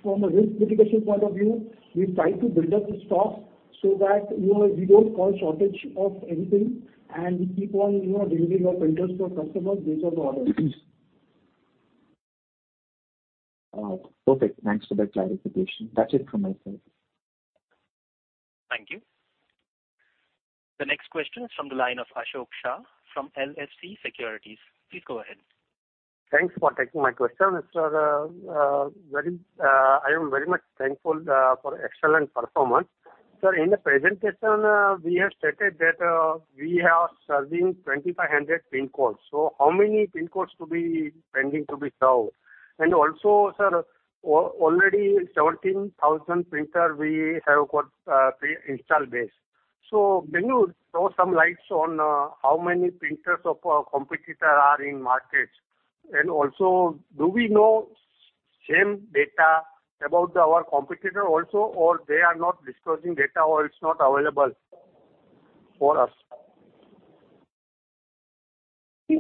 From a risk mitigation point of view, we try to build up the stock so that, you know, we don't call shortage of anything and we keep on, you know, delivering our printers to our customers based on the orders. Perfect. Thanks for that clarification. That's it from my side. Thank you. The next question is from the line of Ashok Shah from LSC Securities. Please go ahead. Thanks for taking my question. Sir, I am very much thankful for excellent performance. Sir, in the presentation, we have stated that we are serving 2,500 PIN codes. How many PIN codes to be pending to be served? Also, sir, already 17,000 printer we have got pre installed base. Can you throw some lights on how many printers of our competitor are in markets? Also do we know same data about our competitor also, or they are not disclosing data or it's not available for us?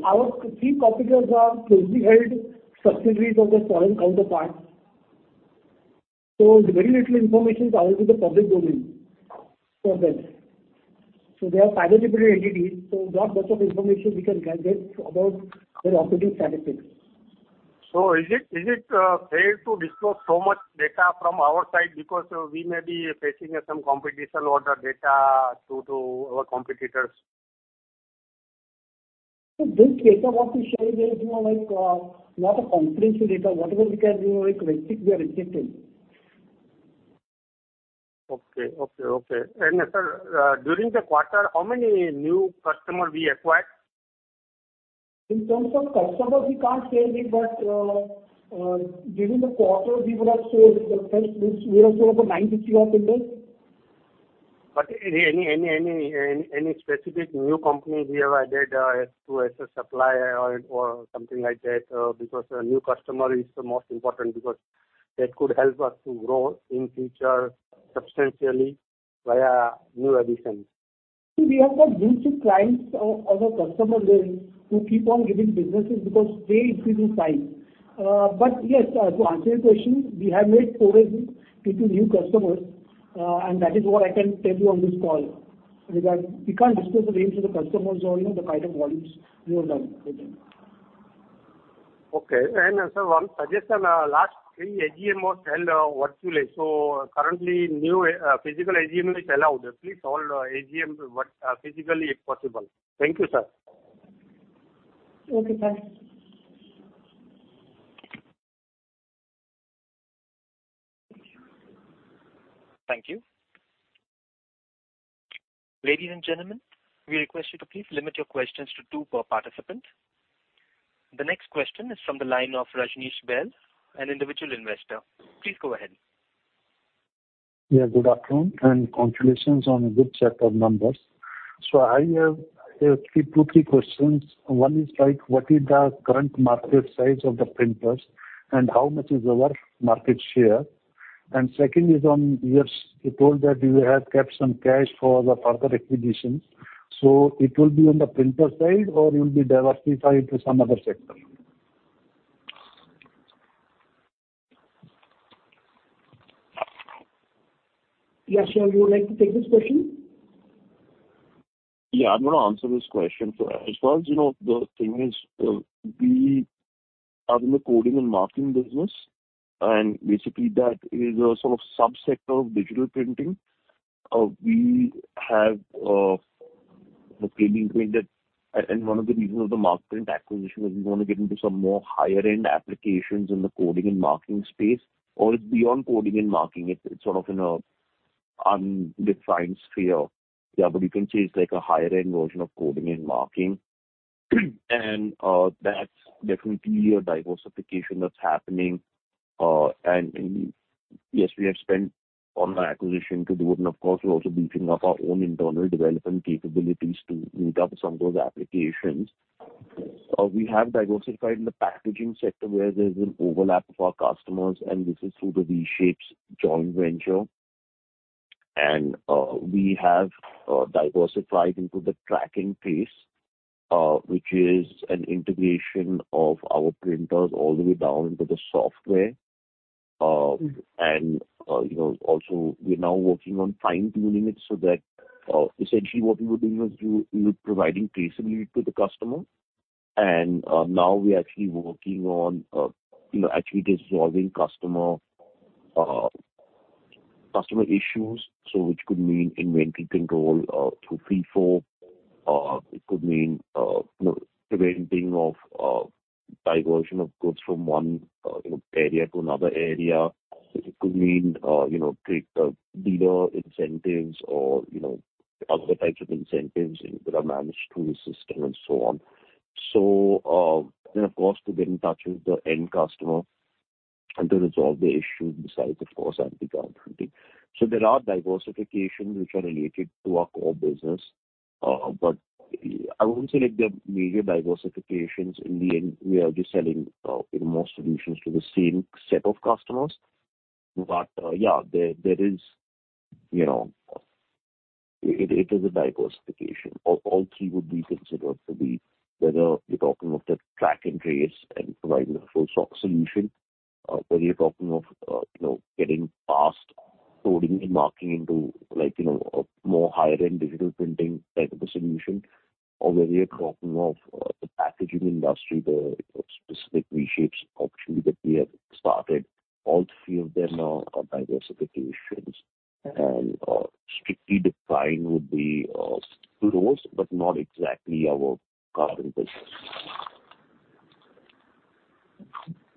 Our key competitors are closely held subsidiaries of their foreign counterparts. Very little information is available in the public domain for them. They are privately built entities, so not much of information we can get about their operating statistics. Is it fair to disclose so much data from our side because we may be facing some competition or the data to our competitors? This data what we share with you is more like, not a comprehensive data, whatever we can, you know, like receive, we are presenting. Okay. Okay. Okay. Sir, during the quarter, how many new customer we acquired? In terms of customers, we can't say it. During the quarter we would have sold the printers. We would have sold over 950 of printers. Any specific new company we have added as a supplier or something like that? Because a new customer is the most important because that could help us to grow in future substantially via new additions. We have got bunch of clients on our customer base who keep on giving businesses because they increase in size. Yes, to answer your question, we have made progress into new customers, that is what I can tell you on this call regarding. We can't disclose the names of the customers or, you know, the kind of volumes we have done with them. Okay. Sir, one suggestion. last three AGM was held, virtually. Currently new, physical AGM is allowed. Please hold AGM what, physically if possible. Thank you, sir. Okay, sir. Thank you. Ladies and gentlemen, we request you to please limit your questions to two per participant. The next question is from the line of Rajnish Bahl, an individual investor. Please go ahead. Good afternoon, congratulations on a good set of numbers. I have two, three questions. One is like what is the current market size of the printers and how much is our market share? Second is on, yes, you told that you have kept some cash for the further acquisitions, so it will be on the printer side or you'll be diversified to some other sector? Yes, sir. Would you like to take this question? I'm gonna answer this question. As far as you know, the thing is, we are in the coding and marking business, and basically that is a sort of sub-sector of digital printing. One of the reasons of the Markprint acquisition is we wanna get into some more higher end applications in the coding and marking space, or it's beyond coding and marking. It's sort of in a undefined sphere. You can say it's like a higher end version of coding and marking. That's definitely a diversification that's happening. And yes, we have spent on the acquisition to do it, and of course, we're also beefing up our own internal development capabilities to meet up some of those applications. We have diversified in the packaging sector where there's an overlap of our customers and this is through the V-Shapes' joint venture. We have diversified into the tracking piece, which is an integration of our printers all the way down to the software. You know, also we're now working on fine-tuning it so that essentially what we were doing was you providing traceability to the customer. Now we're actually working on, you know, actually resolving customer issues. Which could mean inventory control, through FIFO. It could mean, you know, preventing of diversion of goods from one, you know, area to another area. It could mean, you know, take dealer incentives or, you know, other types of incentives that are managed through the system and so on. Of course to get in touch with the end customer and to resolve the issue besides of course anti-counterfeiting. There are diversification which are related to our core business. I wouldn't say like they're major diversifications. In the end we are just selling, you know, more solutions to the same set of customers. There is, you know... It is a diversification. All three would be considered to be whether you're talking of the track and trace and providing a full stock solution, whether you're talking of, you know, getting past coding and marking into like, you know, a more higher end digital printing type of a solution or whether you're talking of, the packaging industry, the, you know, specific V-Shapes option that we have started. All three of them are diversifications and strictly defined would be close, but not exactly our current business.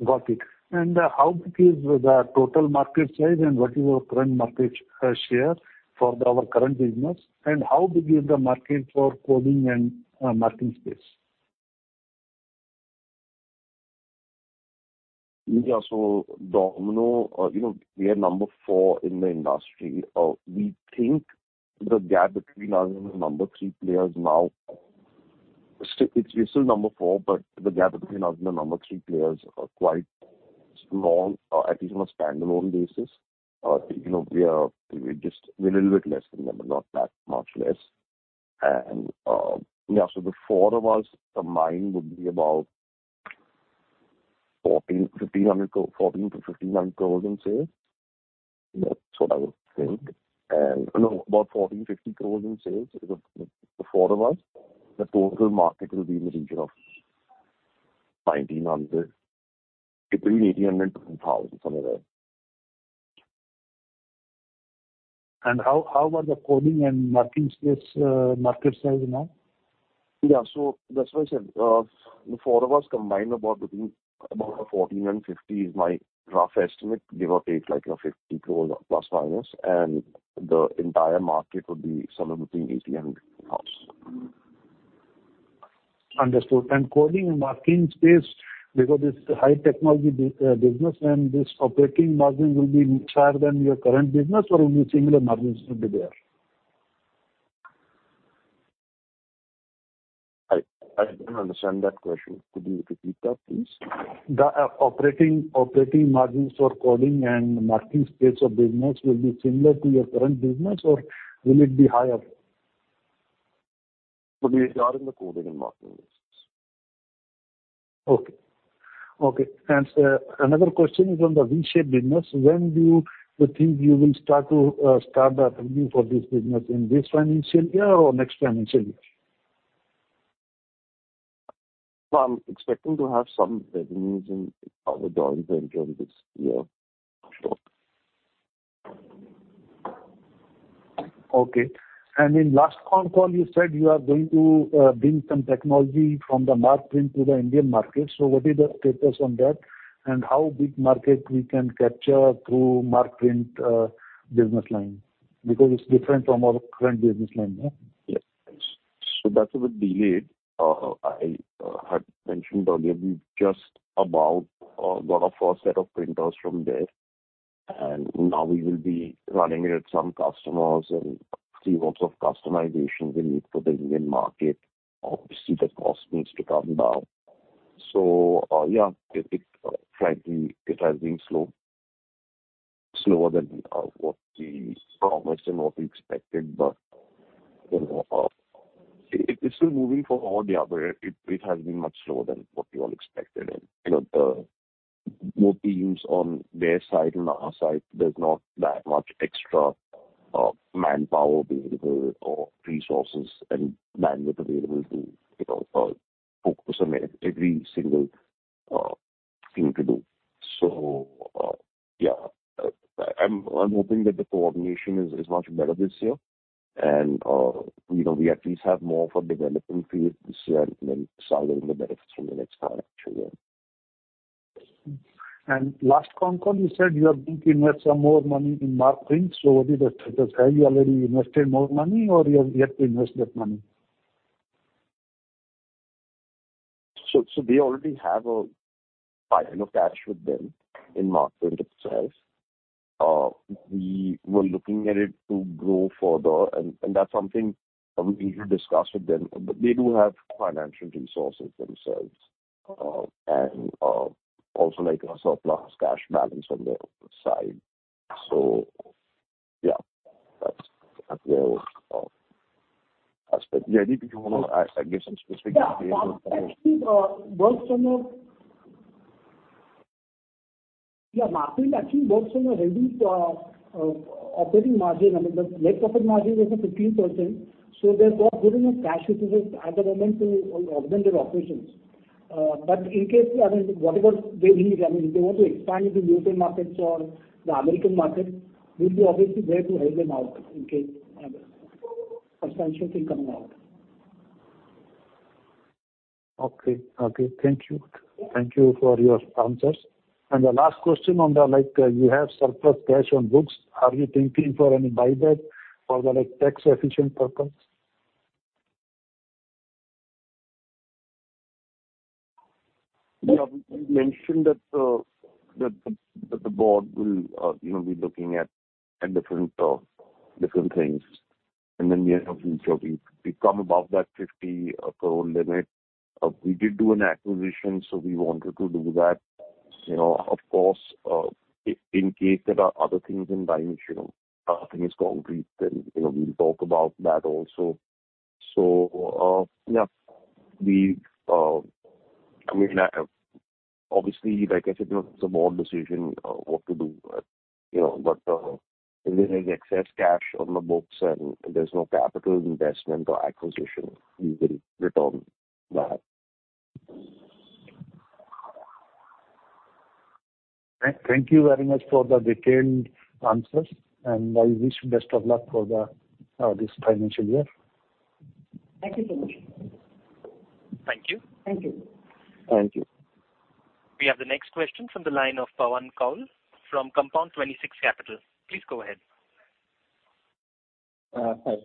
Got it. How big is the total market size and what is your current market share for our current business? How big is the market for coding and marking space? Yeah. Domino, you know, we are number 4 in the industry. We think the gap between us and the number 3 players now, we're still number 4, the gap between us and the number 3 players are quite small, at least on a standalone basis. You know, we're a little bit less than them, not that much less. Yeah, the 4 of us combined would be about 1,400-1,500 crores in sales. That's what I would think. No, about 1,450 crores in sales is the 4 of us. The total market will be in the region of INR 1,900 crores, between INR 1,800 crores and INR 2,000 crores, somewhere there. How about the coding and marking space, market size now? Yeah. That's why I said, the four of us combined about between 14 crore and 50 crore is my rough estimate, give or take like, you know, 50 crore ±, and the entire market would be somewhere between 1,800 crore and INR 2,000 crore. Understood. Coding and marking space because it's high technology business and this operating margin will be higher than your current business or will be similar margins will be there? I don't understand that question. Could you repeat that, please? The operating margins for coding and marking space of business will be similar to your current business or will it be higher? We are in the coding and marking business. Okay. Okay. Another question is on the V-Shapes business. When do you think you will start to start the revenue for this business in this financial year or next financial year? I'm expecting to have some revenues in our joint venture this year. Sure. Okay. In last call you said you are going to bring some technology from the Markprint to the Indian market. What is the status on that and how big market we can capture through Markprint business line? It's different from our current business line, yeah? That's a bit delayed. I had mentioned earlier we've just about got our first set of printers from there, and now we will be running it at some customers and see what sort of customization we need for the Indian market. Obviously, the cost needs to come down. Frankly, it has been slow, slower than what we promised and what we expected. You know, it's still moving forward. It has been much slower than what we all expected. You know, the both teams on their side and our side, there's not that much extra manpower available or resources and bandwidth available to, you know, focus on every single thing to do. I'm hoping that the coordination is much better this year and, you know, we at least have more of a development phase this year and then start getting the benefits from the next financial year. Last con call you said you are going to invest some more money in Markprint. What is the status? Have you already invested more money or you have yet to invest that money? They already have a pile of cash with them in Markprint itself. We were looking at it to grow further and that's something we need to discuss with them. They do have financial resources themselves and also like a surplus cash balance on their side. Yeah, that's their aspect. Reddy, do you wanna add, like, give some specific details? Markprint actually works on a healthy operating margin. I mean, the net profit margin is at 15%, they've got good enough cash with them at the moment to run their operations. In case, I mean, whatever they need, I mean, if they want to expand to European markets or the American market, we'll be obviously there to help them out in case, I mean, substantial thing coming out. Okay. Okay. Thank you. Thank you for your answers. The last question on the, like, you have surplus cash on books. Are you thinking for any buyback for the, like, tax efficient purpose? Yeah. We mentioned that the board will, you know, be looking at different things in the near future. We've come above that 50 crore limit. We did do an acquisition, we wanted to do that. You know, of course, in case there are other things in line, you know, nothing is concrete then, you know, we'll talk about that also. Yeah, I mean, obviously, like I said, you know, it's a board decision what to do. You know, if there is excess cash on the books and there's no capital investment or acquisition, we will return that. Thank you very much for the detailed answers, and I wish you best of luck for the this financial year. Thank you so much. Thank you. Thank you. Thank you. We have the next question from the line of Pawan Kaul from Compound 26 Capital. Please go ahead. Hi.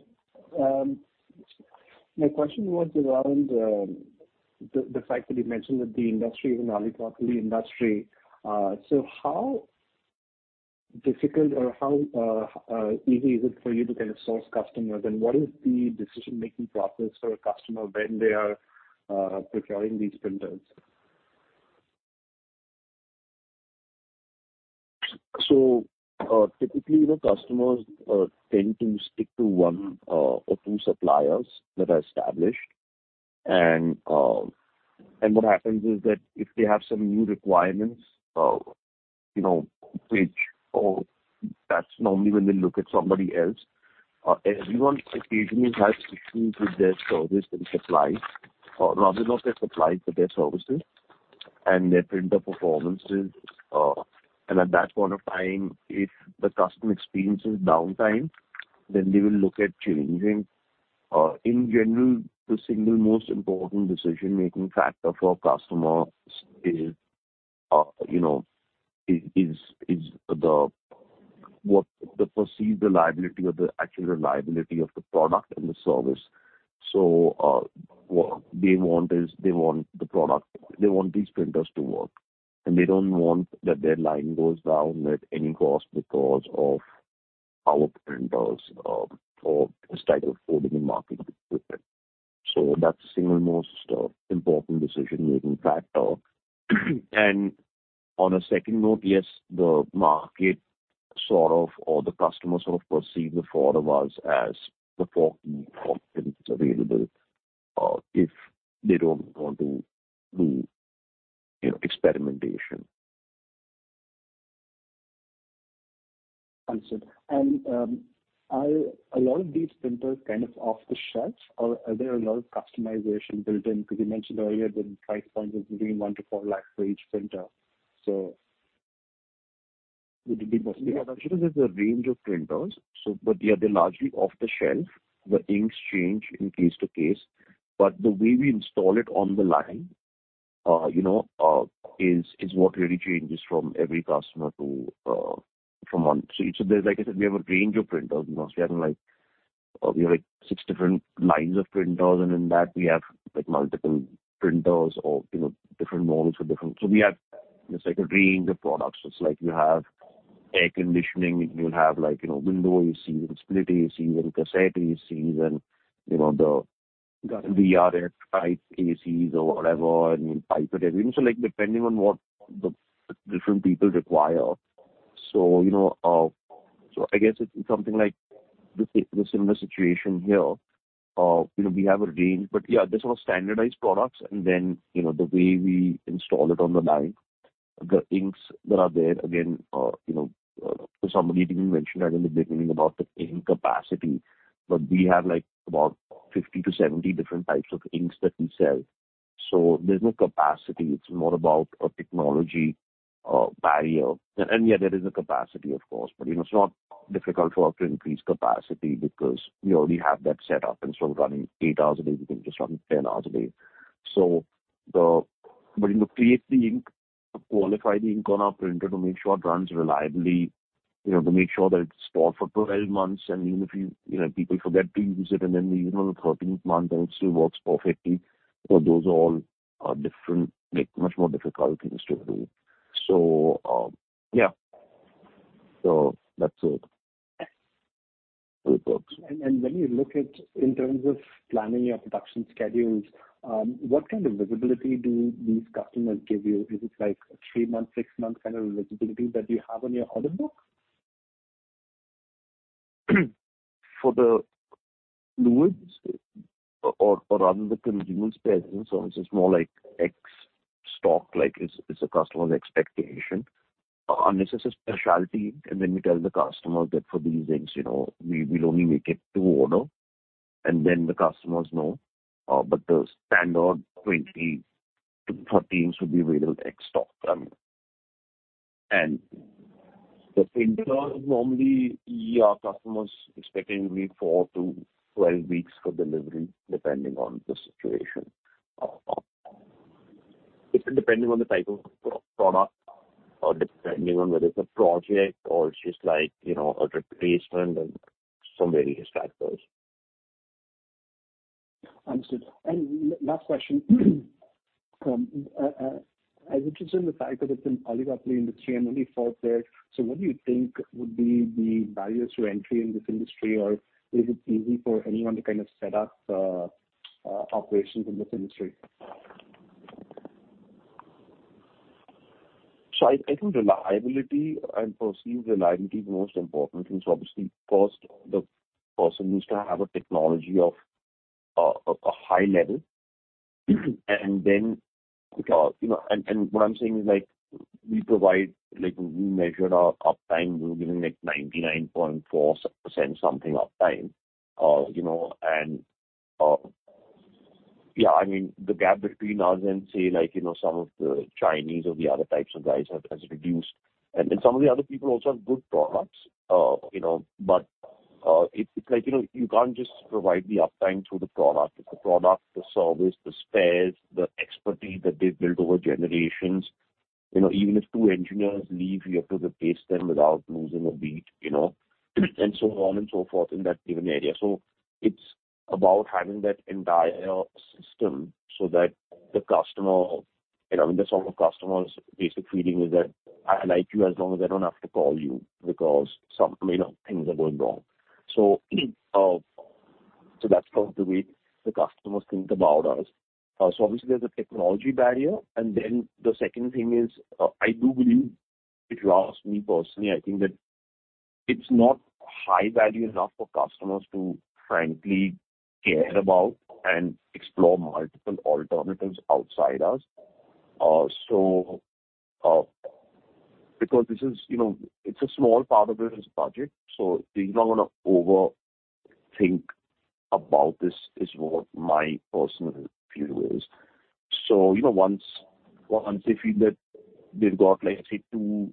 My question was around the fact that you mentioned that the industry is an oligopoly industry. So how difficult or how easy is it for you to kind of source customers? And what is the decision-making process for a customer when they are procuring these printers? Typically the customers tend to stick to one or two suppliers that are established. What happens is that if they have some new requirements, you know, that's normally when they look at somebody else. Everyone occasionally has issues with their service and supplies. Rather not their supplies, but their services and their printer performances. At that point of time, if the customer experiences downtime, they will look at changing. In general, the single most important decision-making factor for customers is, you know, the perceived reliability or the actual reliability of the product and the service. What they want is they want the product. They want these printers to work. They don't want that their line goes down at any cost because of our printers or this type of coding and marking equipment. That's the single most important decision-making factor. On a second note, yes, the market sort of, or the customers sort of perceive the four of us as the four key options available if they don't want to do, you know, experimentation. Understood. Are a lot of these printers kind of off the shelf or are there a lot of customization built in? Because you mentioned earlier that the price point is between 1 lakh-4 lakhs for each printer. Actually there's a range of printers. They're largely off the shelf. The inks change in case to case. The way we install it on the line, you know, is what really changes from every customer to from one. There's like I said, we have a range of printers. We have like six different lines of printers, and in that we have like multiple printers or, you know, different models for different. We have just like a range of products. It's like you have air conditioning. You'll have like, you know, window ACs, split ACs, you have cassette ACs and, you know, the VRF type ACs or whatever, and pipe it in. Like, depending on what the different people require. You know, I guess it's something like the similar situation here. You know, we have a range, but yeah, there's more standardized products and then, you know, the way we install it on the line. The inks that are there, again, you know, somebody even mentioned that in the beginning about the ink capacity, but we have like about 50 to 70 different types of inks that we sell. There's no capacity. It's more about a technology barrier. Yeah, there is a capacity of course, but, you know, it's not difficult for us to increase capacity because we already have that set up. Instead of running 8 hours a day, we can just run 10 hours a day. The... You know, to create the ink, to qualify the ink on our printer to make sure it runs reliably, you know, to make sure that it's stored for 12 months and even if you know, people forget to use it and then we, you know, the 13th month and it still works perfectly. Those are all different, like, much more difficult things to do. Yeah. That's it, how it works. When you look at in terms of planning your production schedules, what kind of visibility do these customers give you? Is it like a 3-month, 6-month kind of visibility that you have on your order book? For the fluids or rather the consumables space. It's just more like X stock, like it's a customer's expectation. Unless it's a specialty and then we tell the customers that for these things, you know, we'll only make it to order and then the customers know. The standard 20 to 30s would be available X stock, I mean. The printer normally, yeah, our customers expecting 4 to 12 weeks for delivery, depending on the situation. It's depending on the type of product or depending on whether it's a project or it's just like, you know, a replacement and some various factors. Understood. Last question. I'm interested in the fact that it's an oligopoly industry and only four players. What do you think would be the barriers to entry in this industry? Is it easy for anyone to kind of set up operations in this industry? I think reliability, I perceive reliability is the most important thing. Obviously first the person needs to have a technology of a high level. Then, you know. What I'm saying is like we provide, like we measured our uptime. We were giving like 99.4% something uptime. You know, and, yeah, I mean, the gap between us and say like, you know, some of the Chinese or the other types of guys has reduced. Some of the other people also have good products. You know, it's like, you know, you can't just provide the uptime through the product. It's the product, the service, the spares, the expertise that they've built over generations. You know, even if two engineers leave, you have to replace them without losing a beat, you know, and so on and so forth in that given area. It's about having that entire system so that the customer, you know, I mean, that's all the customer's basic feeling is that, "I like you as long as I don't have to call you because some, you know, things are going wrong." That's kind of the way the customers think about us. Obviously there's a technology barrier. The second thing is, I do believe if you ask me personally, I think that it's not high value enough for customers to frankly care about and explore multiple alternatives outside us. Because this is, you know, it's a small part of their business budget, they're not gonna overthink about this is what my personal view is. You know, once they feel that they've got let's say two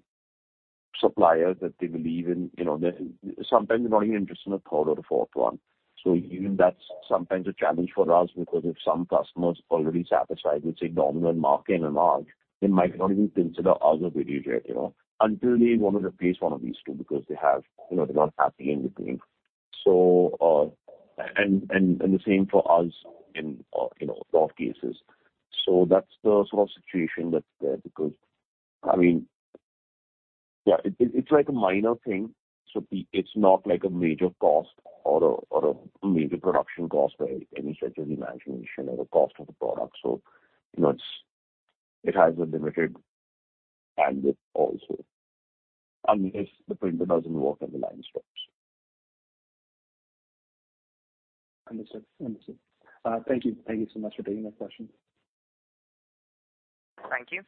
suppliers that they believe in, you know, then sometimes they're not even interested in a third or the fourth one. Even that's sometimes a challenge for us because if some customer's already satisfied with say Domino and Markem-Imaje and us, they might not even consider us or Videojet, you know. Until they wanna replace one of these two because they have, you know, they're not happy in between. And the same for us in, you know, lot of cases. That's the sort of situation that's there because I mean, yeah, it's like a minor thing. It's not like a major cost or a major production cost by any stretch of imagination or the cost of the product. You know, it has a limited bandwidth also. Unless the printer doesn't work and the line stops. Understood. Understood. Thank you. Thank you so much for taking the questions. Thank you.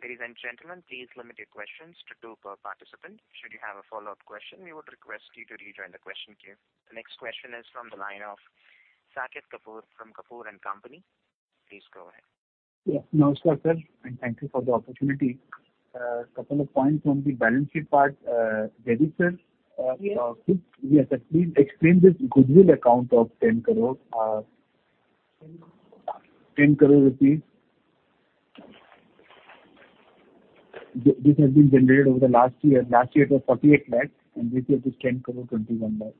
Ladies and gentlemen, please limit your questions to two per participant. Should you have a follow-up question, we would request you to rejoin the question queue. The next question is from the line of Saket Kapoor from Kapoor & Company. Please go ahead. Yeah. Namaskar, sir, and thank you for the opportunity. Couple of points from the balance sheet part, Jaideep, sir. Yes. Could we please explain this goodwill account of 10 crore INR. This has been generated over the last year. Last year it was 48 lakh INR, and this year it is 10.21 crore INR. Secondly, sir,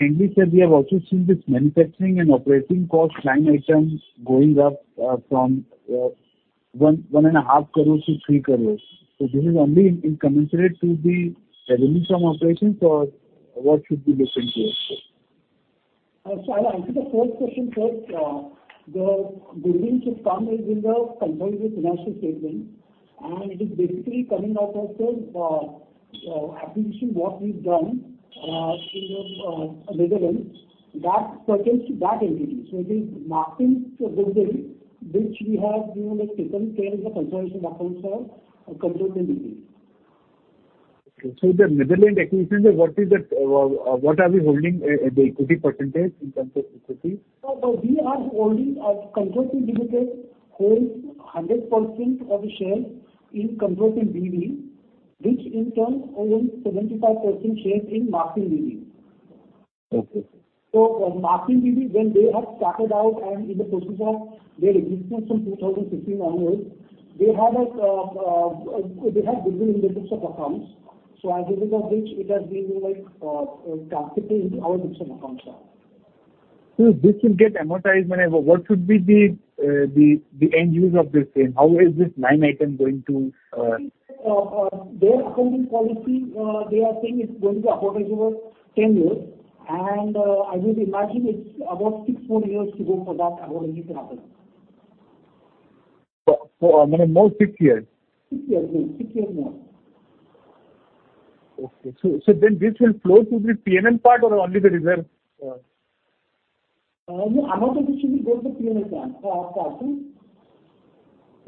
we have also seen this manufacturing and operating cost line items going up from 1.5 crore INR to 3 crore INR. This is only in commensurate to the revenue from operations or what should we listen to, sir? I'll answer the first question first. The goodwill which comes within the combined with financial statement and it is basically coming out of the acquisition what we've done in the Netherlands. That pertains to that entity. It is marking to a goodwill which we have, you know, like, taken care in the consolidation accounts or consolidated details. Okay. The Netherlands acquisitions, what is that, what are we holding, the equity percentage in terms of equity? No, Control Print Limited holds 100% of the shares in Control Print B.V., which in turn owns 75% shares in Markprint BV. Okay. Markprint BV, when they have started out and in the process of their existence from 2015 onwards, they had a, they had goodwill in their books of accounts. As a result of which it has been, you know, like, transferred into our books of accounts, sir. This will get amortized whenever. What should be the, the end use of this thing? How is this line item going to? Their accounting policy, they are saying it's going to be affordable 10 years. I would imagine it's about 6 more years to go for that affordability to happen. I mean, more six years? Six years, yes. Six years more. Okay. This will flow to the PNL part or only the reserve? no, amortization will go to the PNL part,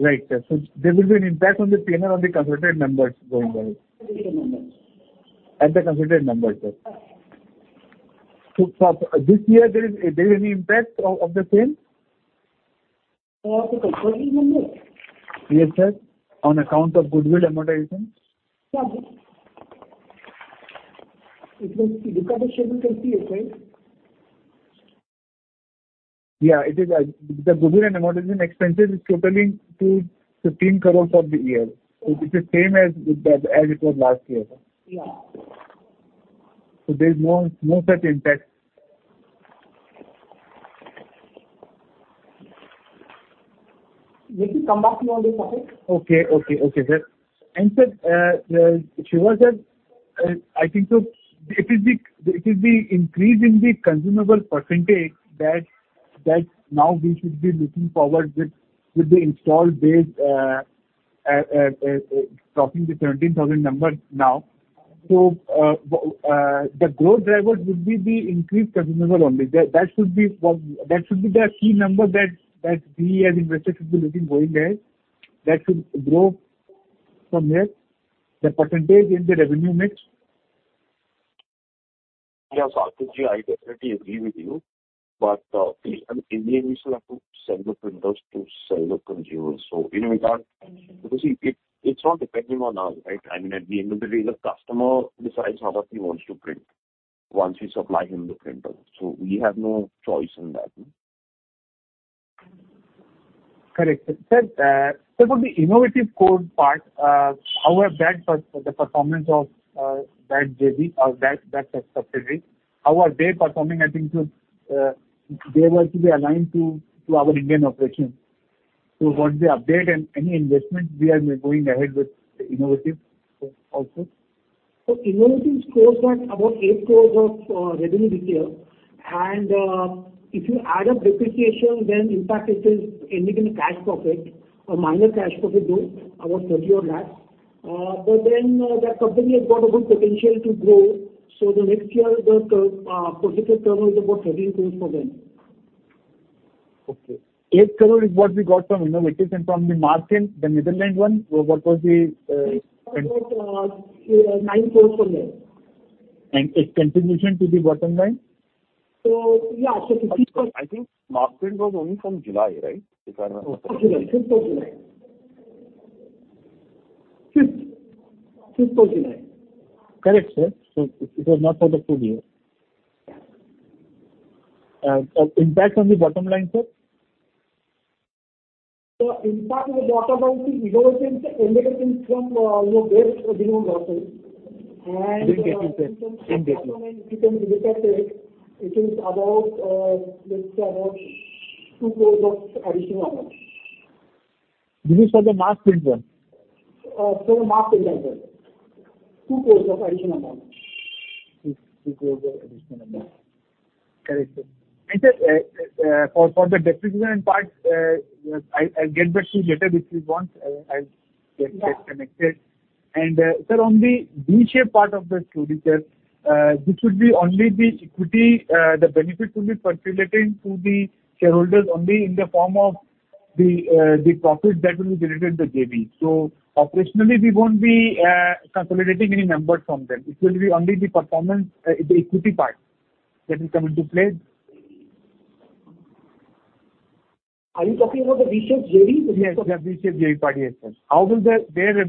yes. Right, sir. There will be an impact on the PNL on the consolidated numbers going forward. Yes. Consolidated numbers. At the consolidated numbers, yes. Yes. For this year, there is any impact of the same? Of the consolidated numbers? Yes, sir. On account of goodwill amortization. Yes, sir. It will be recovered schedule to PSA. Yeah, it is. The goodwill and amortization expenses is totaling to INR 15 crores for the year. It is same as it was last year. Yeah. There is no such impact. Let me come back on this topic. Okay. Okay. Okay, Sir. Sir, Shiva. Sir, I think so it is the increase in the consumable percentage that now we should be looking forward with the install base crossing the 17,000 number now. The growth drivers would be the increased consumable only. That should be the key number that we as investors should be looking going ahead. That should grow from here, the percentage in the revenue mix. Yes, Raku ji, I definitely agree with you, but in the end we still have to sell the printers to sell the consumables. You know, we can't... Mm-hmm. Because it's not depending on us, right? I mean, at the end of the day, the customer decides how much he wants to print once we supply him the printer. We have no choice in that. Correct, sir. Sir, sir, for the Innovative Coding part, how are that the performance of that JV or that subsidiary, how are they performing? I think so, they were to be aligned to our Indian operations. What's the update and any investment we are going ahead with Innovative Coding also? Innovative scores at about 8 crores of revenue this year. If you add up depreciation, in fact it is ending in a cash profit or minus cash profit though, about 30 odd lakhs. That company has got a good potential to grow. The next year the forecasted turnover is about 13 crores for them. Okay. 8 crore is what we got from Innovative and from the Markprint, the Netherlands one, what was the? It's about, 9 crores from there. Its contribution to the bottom line? Yeah. This is- I think margin was only from July, right? If I remember correctly. Fifth of July. Fifth of July. Correct, sir. It was not for the full year. Yeah. Impact on the bottom line, sir? The impact on the bottom line to innovations ended from, you know, less than zero losses. In getting, sir. In getting. If you can look at it is about, let's say about 2 crores of additional amount. This is for the Markprint one? For the marked one, yes. INR 2 crores of additional amount. 2 crores of additional amount. Correct, sir. Sir, for the depreciation part, I'll get back to you later this week once I'll get connected. Sir, on the V-Shapes part of the story, sir, this would be only the equity, the benefit will be percolating to the shareholders only in the form of the profit that will be generated in the JV. Operationally we won't be consolidating any numbers from them. It will be only the performance, the equity part that will come into play. Are you talking about the V-Shapes JV? Yes. The V-Shapes JV part. Yes, sir. How will the. There,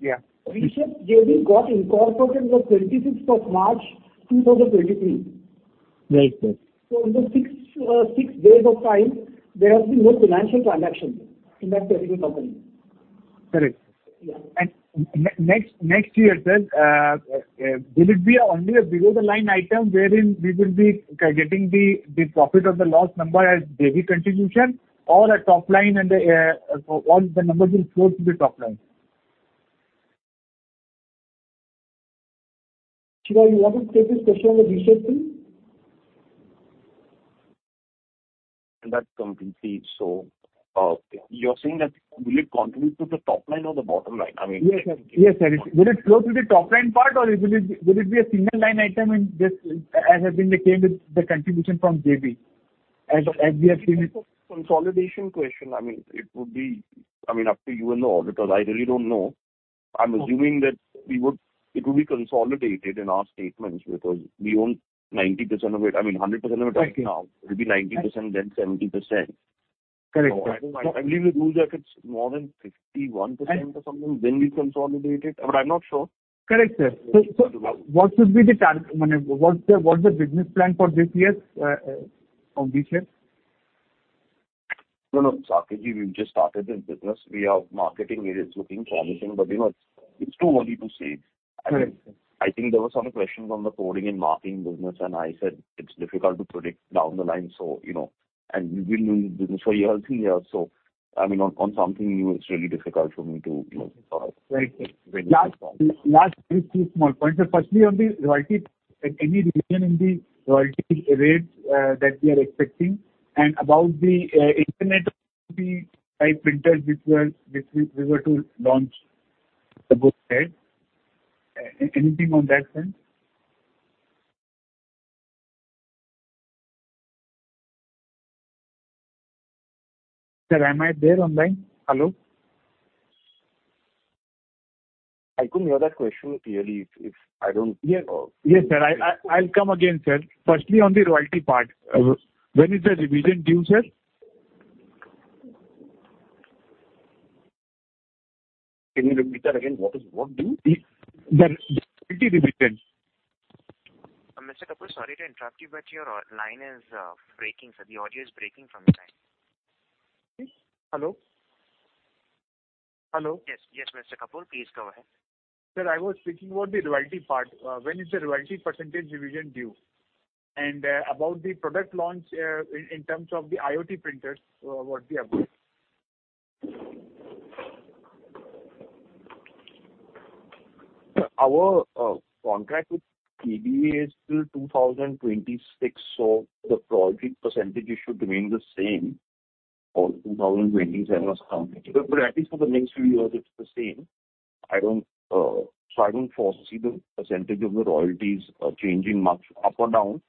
yeah. V-Shapes JV got incorporated on twenty-sixth of March two thousand twenty-three. Right, sir. In the six days of time, there has been no financial transaction in that particular company. Correct. Yeah. Next year, sir, will it be only a below-the-line item wherein we will be getting the profit of the loss number as JV contribution or a top line and, all the numbers will flow to the top line? Sure, you want to take this question on the V-Shapes thing? That completely. you're saying that will it contribute to the top line or the bottom line? I mean- Yes, yes, sir. Will it flow through the top line part or will it be a single line item in this as has been the case with the contribution from JV as we have seen it? Consolidation question. I mean, it would be, I mean, up to you and the auditors. I really don't know. I'm assuming that it would be consolidated in our statements because we own 90% of it, I mean 100% of it right now. Right. It'll be 90%, then 70%. Correct. I believe the rule that if it's more than 51% or something, then we consolidate it, but I'm not sure. Correct, sir. What should be the target? I mean, what's the business plan for this year of V-Shapes? No, no, Sakji, we've just started this business. We are marketing it. It's looking promising, but, you know, it's too early to say. Correct. I think there were some questions on the coding and marking business, and I said it's difficult to predict down the line. You know, and we've been in business for years and years. I mean, on something new, it's really difficult for me to, you know. Right. Last very two small points. Firstly, on the royalty, any revision in the royalty rates, that we are expecting and about the Internet of Things type printers which we were to launch, the book said. Anything on that front? Sir, am I there online? Hello? I couldn't hear that question clearly. Yes. Yes, sir. I'll come again, sir. Firstly, on the royalty part, when is the revision due, sir? Can you repeat that again? What is due? The royalty revision. Mr. Kapoor, sorry to interrupt you, but your line is breaking. The audio is breaking from your end. Hello? Hello? Yes, yes, Mr. Kapoor, please go ahead. Sir, I was speaking about the royalty part. When is the royalty percentage revision due? About the product launch, in terms of the IoT printers, what we are doing. Our contract with PBA is till 2026. The royalty percentage issue remains the same for 2027 as well. At least for the next few years it's the same. I don't foresee the percentage of the royalties changing much up or down.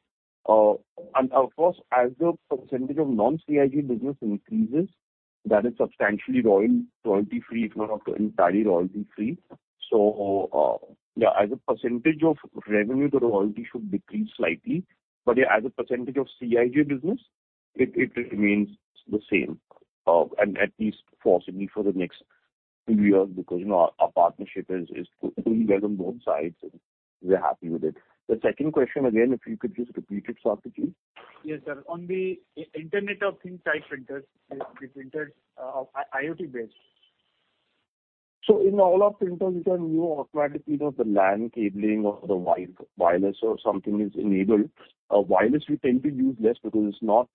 Of course, as the percentage of non-CIJ business increases, that is substantially royalty free if not entirely royalty free. Yeah, as a percentage of revenue, the royalty should decrease slightly. Yeah, as a percentage of CIJ business, it remains the same. At least possibly for the next few years because, you know, our partnership is going well on both sides and we're happy with it. The second question again, if you could just repeat it, Sakji. Yes, sir. On the Internet of Things type printers, the printers, IoT based. In all our printers, you can do automatically, you know, the LAN cabling or the wireless or something is enabled. Wireless we tend to use less because it's not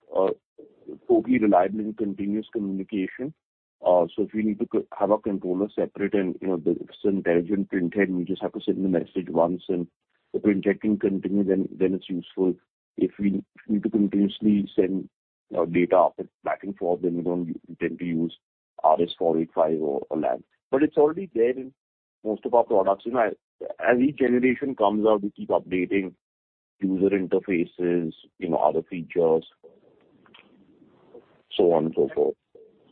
totally reliable in continuous communication. If you need to have a controller separate and you know, if it's an intelligent print head, we just have to send the message once and the printing can continue, then it's useful. If we need to continuously send data back and forth, then we don't tend to use RS-485 or LAN. It's already there in most of our products. You know, as each generation comes out, we keep updating user interfaces, you know, other features, so on and so forth.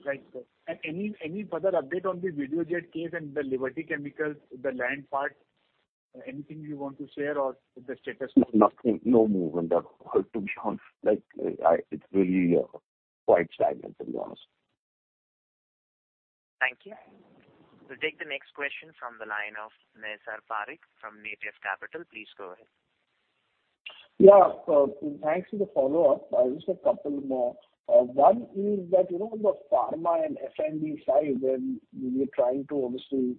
Right. Any further update on the Videojet case and the Liberty Chemicals, the land part? Anything you want to share or the status? Nothing. No movement. To be honest, like It's really quite stagnant to be honest. Thank you. We'll take the next question from the line of Naisar Parekh from NatWest Capital. Please go ahead. Yeah. Thanks for the follow-up. Just a couple more. One is that, you know, the pharma and F&B side where we're trying to obviously,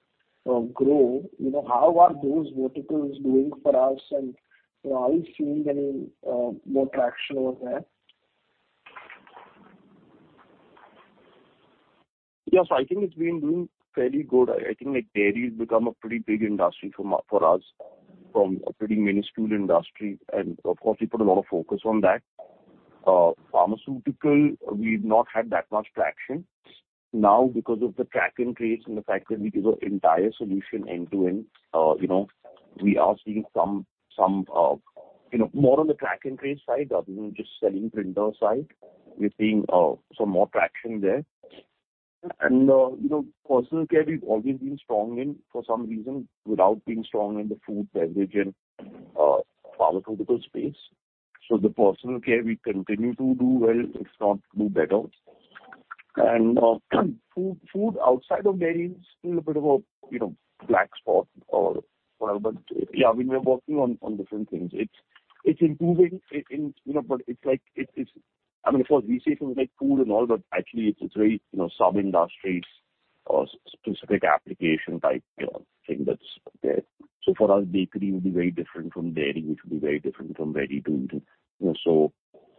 grow, you know, how are those verticals doing for us? You know, are we seeing any more traction over there? Yes, I think it's been doing fairly good. I think like dairy has become a pretty big industry for us from a pretty minuscule industry. Of course we put a lot of focus on that. Pharmaceutical, we've not had that much traction. Now because of the track and trace and the fact that we give an entire solution end-to-end, you know, we are seeing some, you know, more on the track and trace side rather than just selling printer side. We're seeing some more traction there. You know, personal care we've always been strong in for some reason without being strong in the food, beverage and pharmaceutical space. The personal care we continue to do well, if not do better. Food outside of dairy is still a bit of a, you know, black spot or whatever. Yeah, we're working on different things. It's improving in, you know, like it is... I mean, of course we say things like food and all, actually it's very, you know, sub-industries or specific application type, you know, thing that's there. For us, bakery will be very different from dairy, which will be very different from ready-to-eat, you know.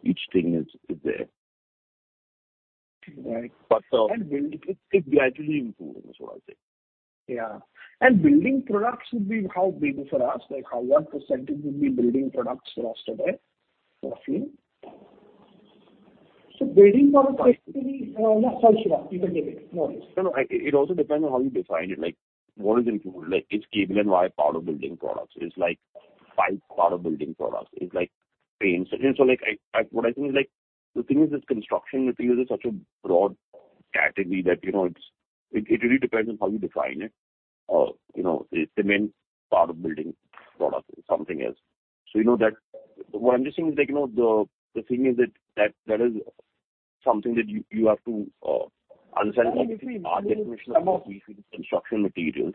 Each thing is there. Right. But, uh- Building, it's gradually improving is what I'm saying. Yeah. Building products would be how big for us? Like how, what % would be building products for us today, roughly? Building products basically, you can get it. No worries. No, no. It also depends on how you define it. Like what is included. Like is cable and wire part of building products? Is like pipe part of building products? Is like paint? Like What I think is like the thing is construction material is such a broad category that, you know, it's, it really depends on how you define it. You know, is cement part of building product or something else? You know that what I'm just saying is like, you know, the thing is that is something that you have to, understand- I mean. Our definition of what we see as construction materials,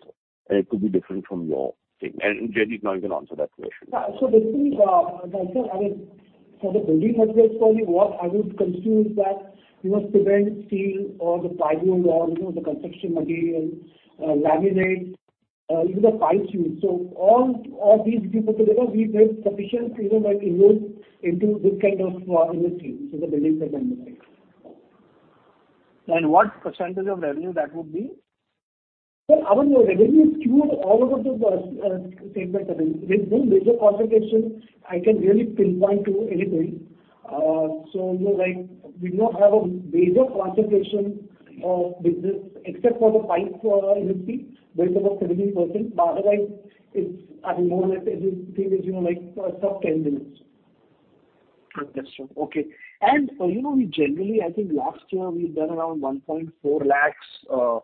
and it could be different from your thing. Jaideep now you can answer that question. Yeah. Basically, like I mean for the building materials for me, what I would consider is that, you know, cement, steel or the plywood or, you know, the construction materials, laminate, even the pipes used. All these put together we have sufficient, you know, like invoice into this kind of industry. The building segment. What % of revenue that would be? Sir, our revenue is skewed all over the segment. I mean there's no major concentration I can really pinpoint to anything. you know, like we don't have a major concentration of business except for the pipe industry where it's about 17%. otherwise it's, I mean, more or less everything is, you know, like sub-10%. Understood. Okay. You know, we generally, I think last year we've done around 1.4 lakh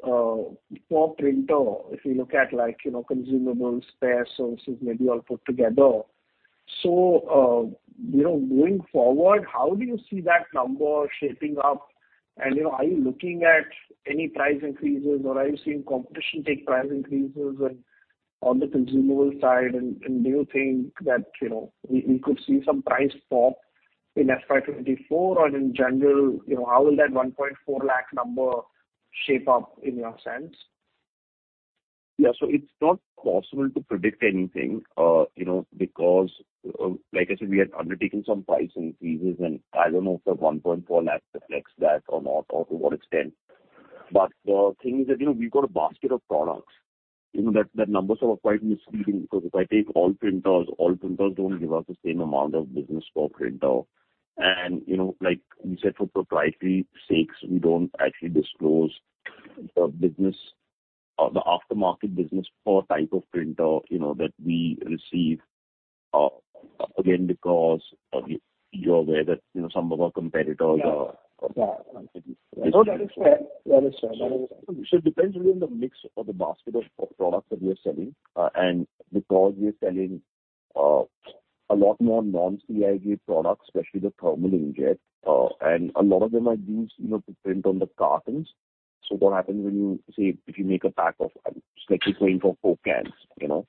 per printer if you look at like, you know, consumables, spare services maybe all put together. You know, going forward, how do you see that number shaping up? You know, are you looking at any price increases or are you seeing competition take price increases and on the consumable side, and do you think that, you know, we could see some price pop in FY24 or in general, you know, how will that 1.4 lakh number shape up in your sense? Yeah. It's not possible to predict anything, you know, because, like I said, we had undertaken some price increases and I don't know if the 1.4 lakh reflects that or not or to what extent. The thing is that, you know, we've got a basket of products, you know, that numbers are quite misleading because if I take all printers, all printers don't give us the same amount of business per printer. You know, like we said, for proprietary sakes, we don't actually disclose the business or the aftermarket business per type of printer, you know, that we receive, again because, you're aware that, you know, some of our competitors. Yeah. Yeah. No, that is fair. That is fair. That is fair. It depends really on the mix of the basket of products that we are selling. Because we are selling a lot more non-CIJ products, especially the thermal inkjet, and a lot of them are being used, you know, to print on the cartons. What happens when you say if you make a pack of, let's say 24 cans, you know,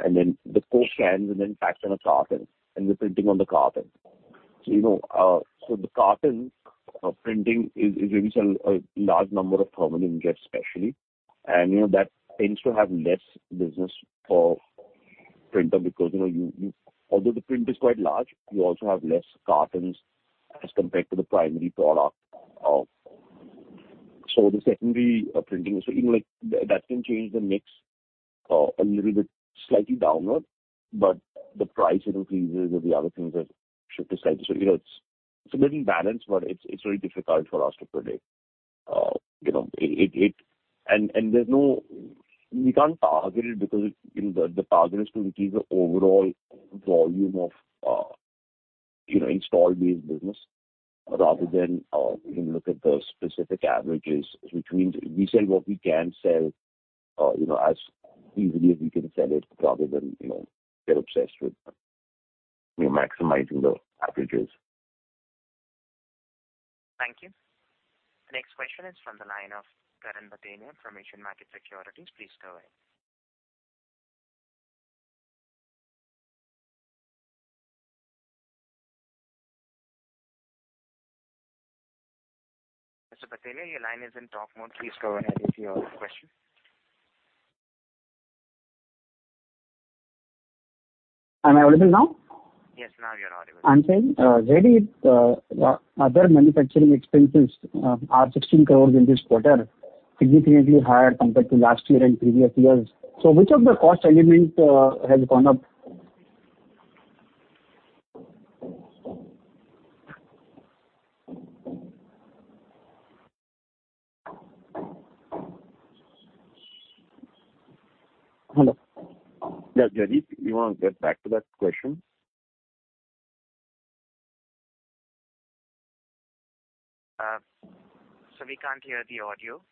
and then the four cans are then packed on a carton and they're printing on the carton. You know, the carton printing is really sell a large number of thermal inkjet especially. You know, that tends to have less business for printer because, you know, Although the print is quite large, you also have less cartons as compared to the primary product. The secondary printing, that can change the mix a little bit slightly downward, but the price increases or the other things have shifted slightly. It's a little balanced, but it's very difficult for us to predict. We can't target it because the target is to increase the overall volume of install base business rather than look at the specific averages. Which means we sell what we can sell as easily as we can sell it rather than get obsessed with maximizing the averages. Thank you. Next question is from the line of Karan Batenia from Asian Market Securities. Please go ahead. Mr. Batenia, your line is in talk mode. Please go ahead with your question. Am I audible now? Yes, now you are audible. I'm saying, Jaideep, other manufacturing expenses are 16 crores in this quarter. Significantly higher compared to last year and previous years. Which of the cost element has gone up? Hello? Yeah, Jaideep, you wanna get back to that question? Sir, we can't hear the audio.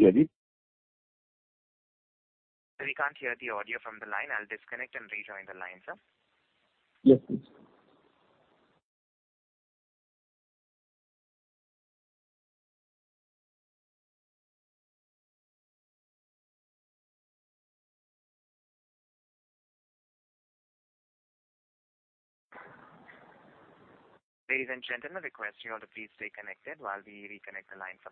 Jaideep? Sir, we can't hear the audio from the line. I'll disconnect and rejoin the line, sir. Yes, please. Ladies and gentlemen, request you all to please stay connected while we reconnect the line for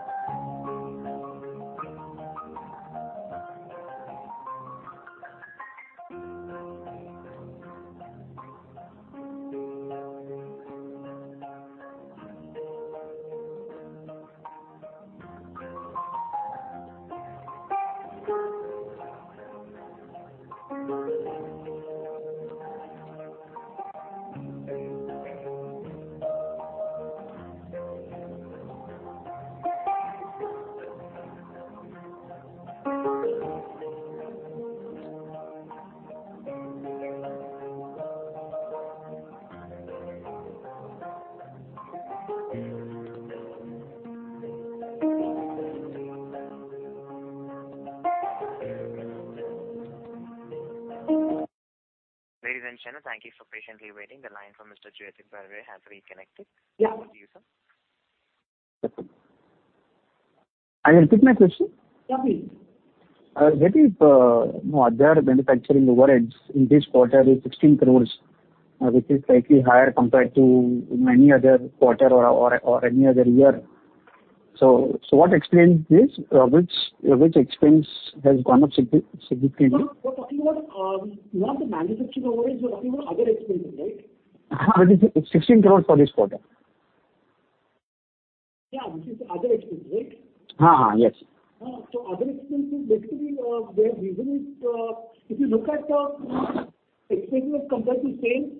the management. Thank you. Ladies and gentlemen, thank you for patiently waiting. The line from Mr. Jaideep Barve has reconnected. Yeah. Over to you, sir. I'll repeat my question. Yeah, please. That is, you know, other manufacturing overheads in this quarter is 16 crore, which is slightly higher compared to many other quarter or any other year. What explains this? Which expense has gone up significantly? No, we're talking about not the manufacturing overheads, we're talking about other expenses, right? It's INR 16 crores for this quarter. Yeah, which is other expense, right? Yes. Other expense is basically, where even if you look at, expense compared to sales,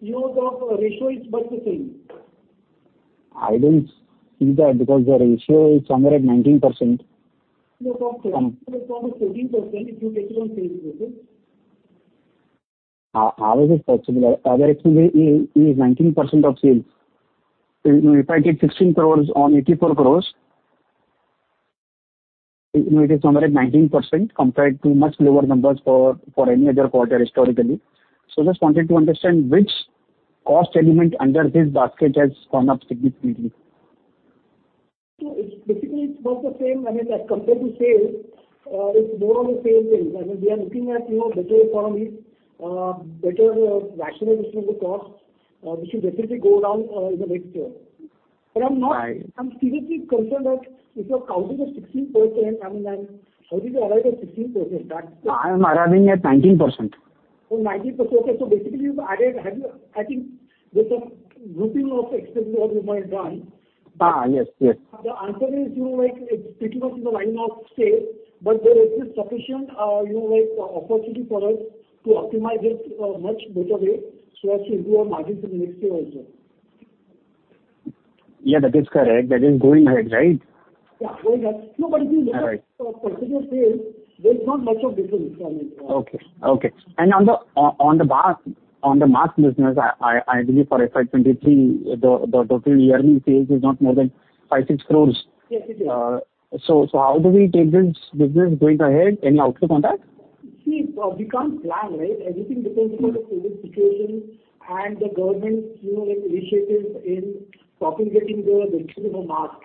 you know, the ratio is about the same. I don't see that because the ratio is somewhere at 19%. No, sir. It's around 14% if you take it on sales versus. How is this possible? Other expense is 19% of sales. You know, if I take 16 crores on 84 crores, you know, it is somewhere at 19% compared to much lower numbers for any other quarter historically. Just wanted to understand which cost element under this basket has gone up significantly. It's basically it's about the same. I mean, as compared to sales, it's more or less same sales. I mean, we are looking at, you know, better economies, better rationalization of the costs, which will definitely go down in the next year. Right. I'm seriously concerned that if you're counting at 16%, I mean, how did you arrive at 16%? I am arriving at 19%. Oh, 19%. Okay. Basically you've added, I think there's some grouping of expenses also you might have done. Yes. Yes. The answer is, you know, like, it's pretty much in the line of sales, but there is sufficient, you know, like, opportunity for us to optimize it, much better way so as to improve our margins in the next year also. Yeah, that is correct. That is going ahead, right? Yeah. Going ahead. If you look at- All right. The percentage of sales, there's not much of difference. I mean... Okay. Okay. On the mask business, I believe for FY 2023, the total yearly sales is not more than 5-6 crores. Yes, it is. How do we take this business going ahead in outdoor contact? See, we can't plan, right? Everything depends upon the Covid situation and the government, you know, like, initiatives in propagating the use of a mask.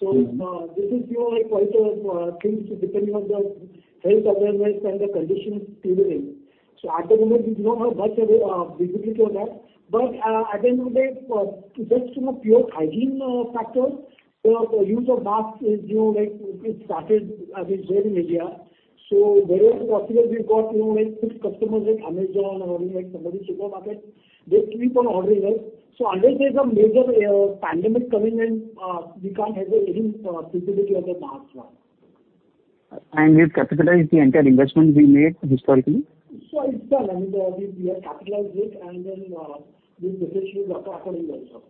Mm-hmm. This is, you know, like, quite a things depending on the health awareness and the conditions prevailing. At the moment we do not have much of a visibility on that. At the moment, just from a pure hygiene factor, use of mask is, you know, like, it started and is there in India. There is a possibility we've got, you know, like, few customers like Amazon or like somebody supermarket, they keep on ordering, right? Unless there's a major pandemic coming in, we can't have a even visibility of the mask one. We've capitalized the entire investment we made historically? It's done. I mean, we have capitalized it and then, we'll assess the doctor according also.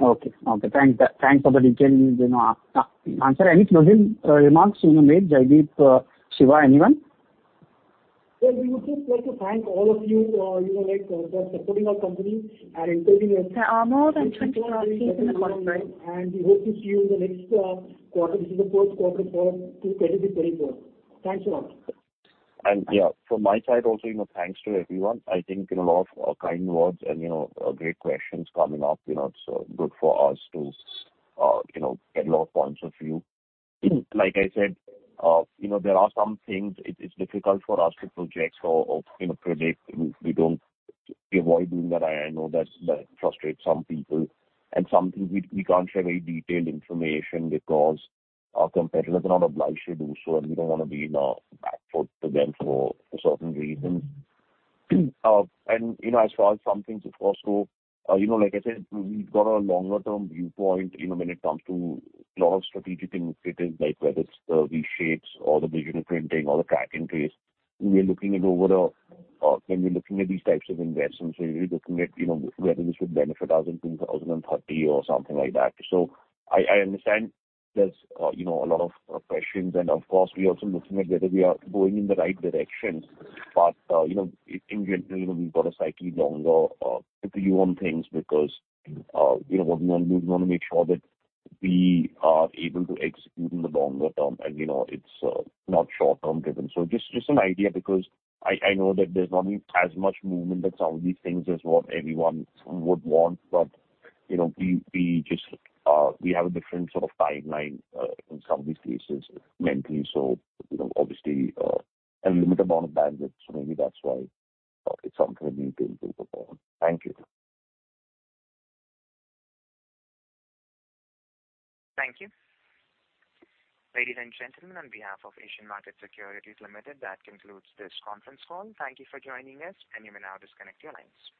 Okay. Okay. Thanks. Thanks for the detailed, you know, answer. Any closing remarks you wanna make, Jaideep, Shiva, anyone? Well, we would just like to thank all of you for, you know, like, for supporting our company and interviewing us. There are more than 25 seats in the conference. We hope to see you in the next quarter. This is the first quarter for to get it very well. Thanks a lot. Yeah, from my side also, you know, thanks to everyone. I think, you know, a lot of kind words and, you know, great questions coming up, you know, it's good for us to, you know, get a lot of points of view. Like I said, you know, there are some things it's difficult for us to project or, you know, predict. We avoid doing that. I know that's that frustrates some people. Some things we can't share very detailed information because our competitors are not obliged to do so, and we don't wanna be in a back foot to them for certain reasons. You know, as far as some things, of course, you know, like I said, we've got a longer term viewpoint, you know, when it comes to a lot of strategic initiatives like whether it's the V-Shapes or the vision printing or the track and trace. When we're looking at these types of investments, so we're looking at, you know, whether this would benefit us in 2030 or something like that. I understand there's, you know, a lot of questions and of course we're also looking at whether we are going in the right direction. You know, in general, you know, we've got a slightly longer view on things because, you know, what we wanna do is we wanna make sure that we are able to execute in the longer term and, you know, it's not short-term driven. Just, just an idea because I know that there's not as much movement in some of these things as what everyone would want, but, you know, we just, we have a different sort of timeline in some of these cases mentally. You know, obviously, and limited amount of bandwidth, so maybe that's why it's something we're being careful on. Thank you. Thank you. Ladies and gentlemen, on behalf of Asian Market Securities Limited, that concludes this conference call. Thank you for joining us, and you may now disconnect your lines.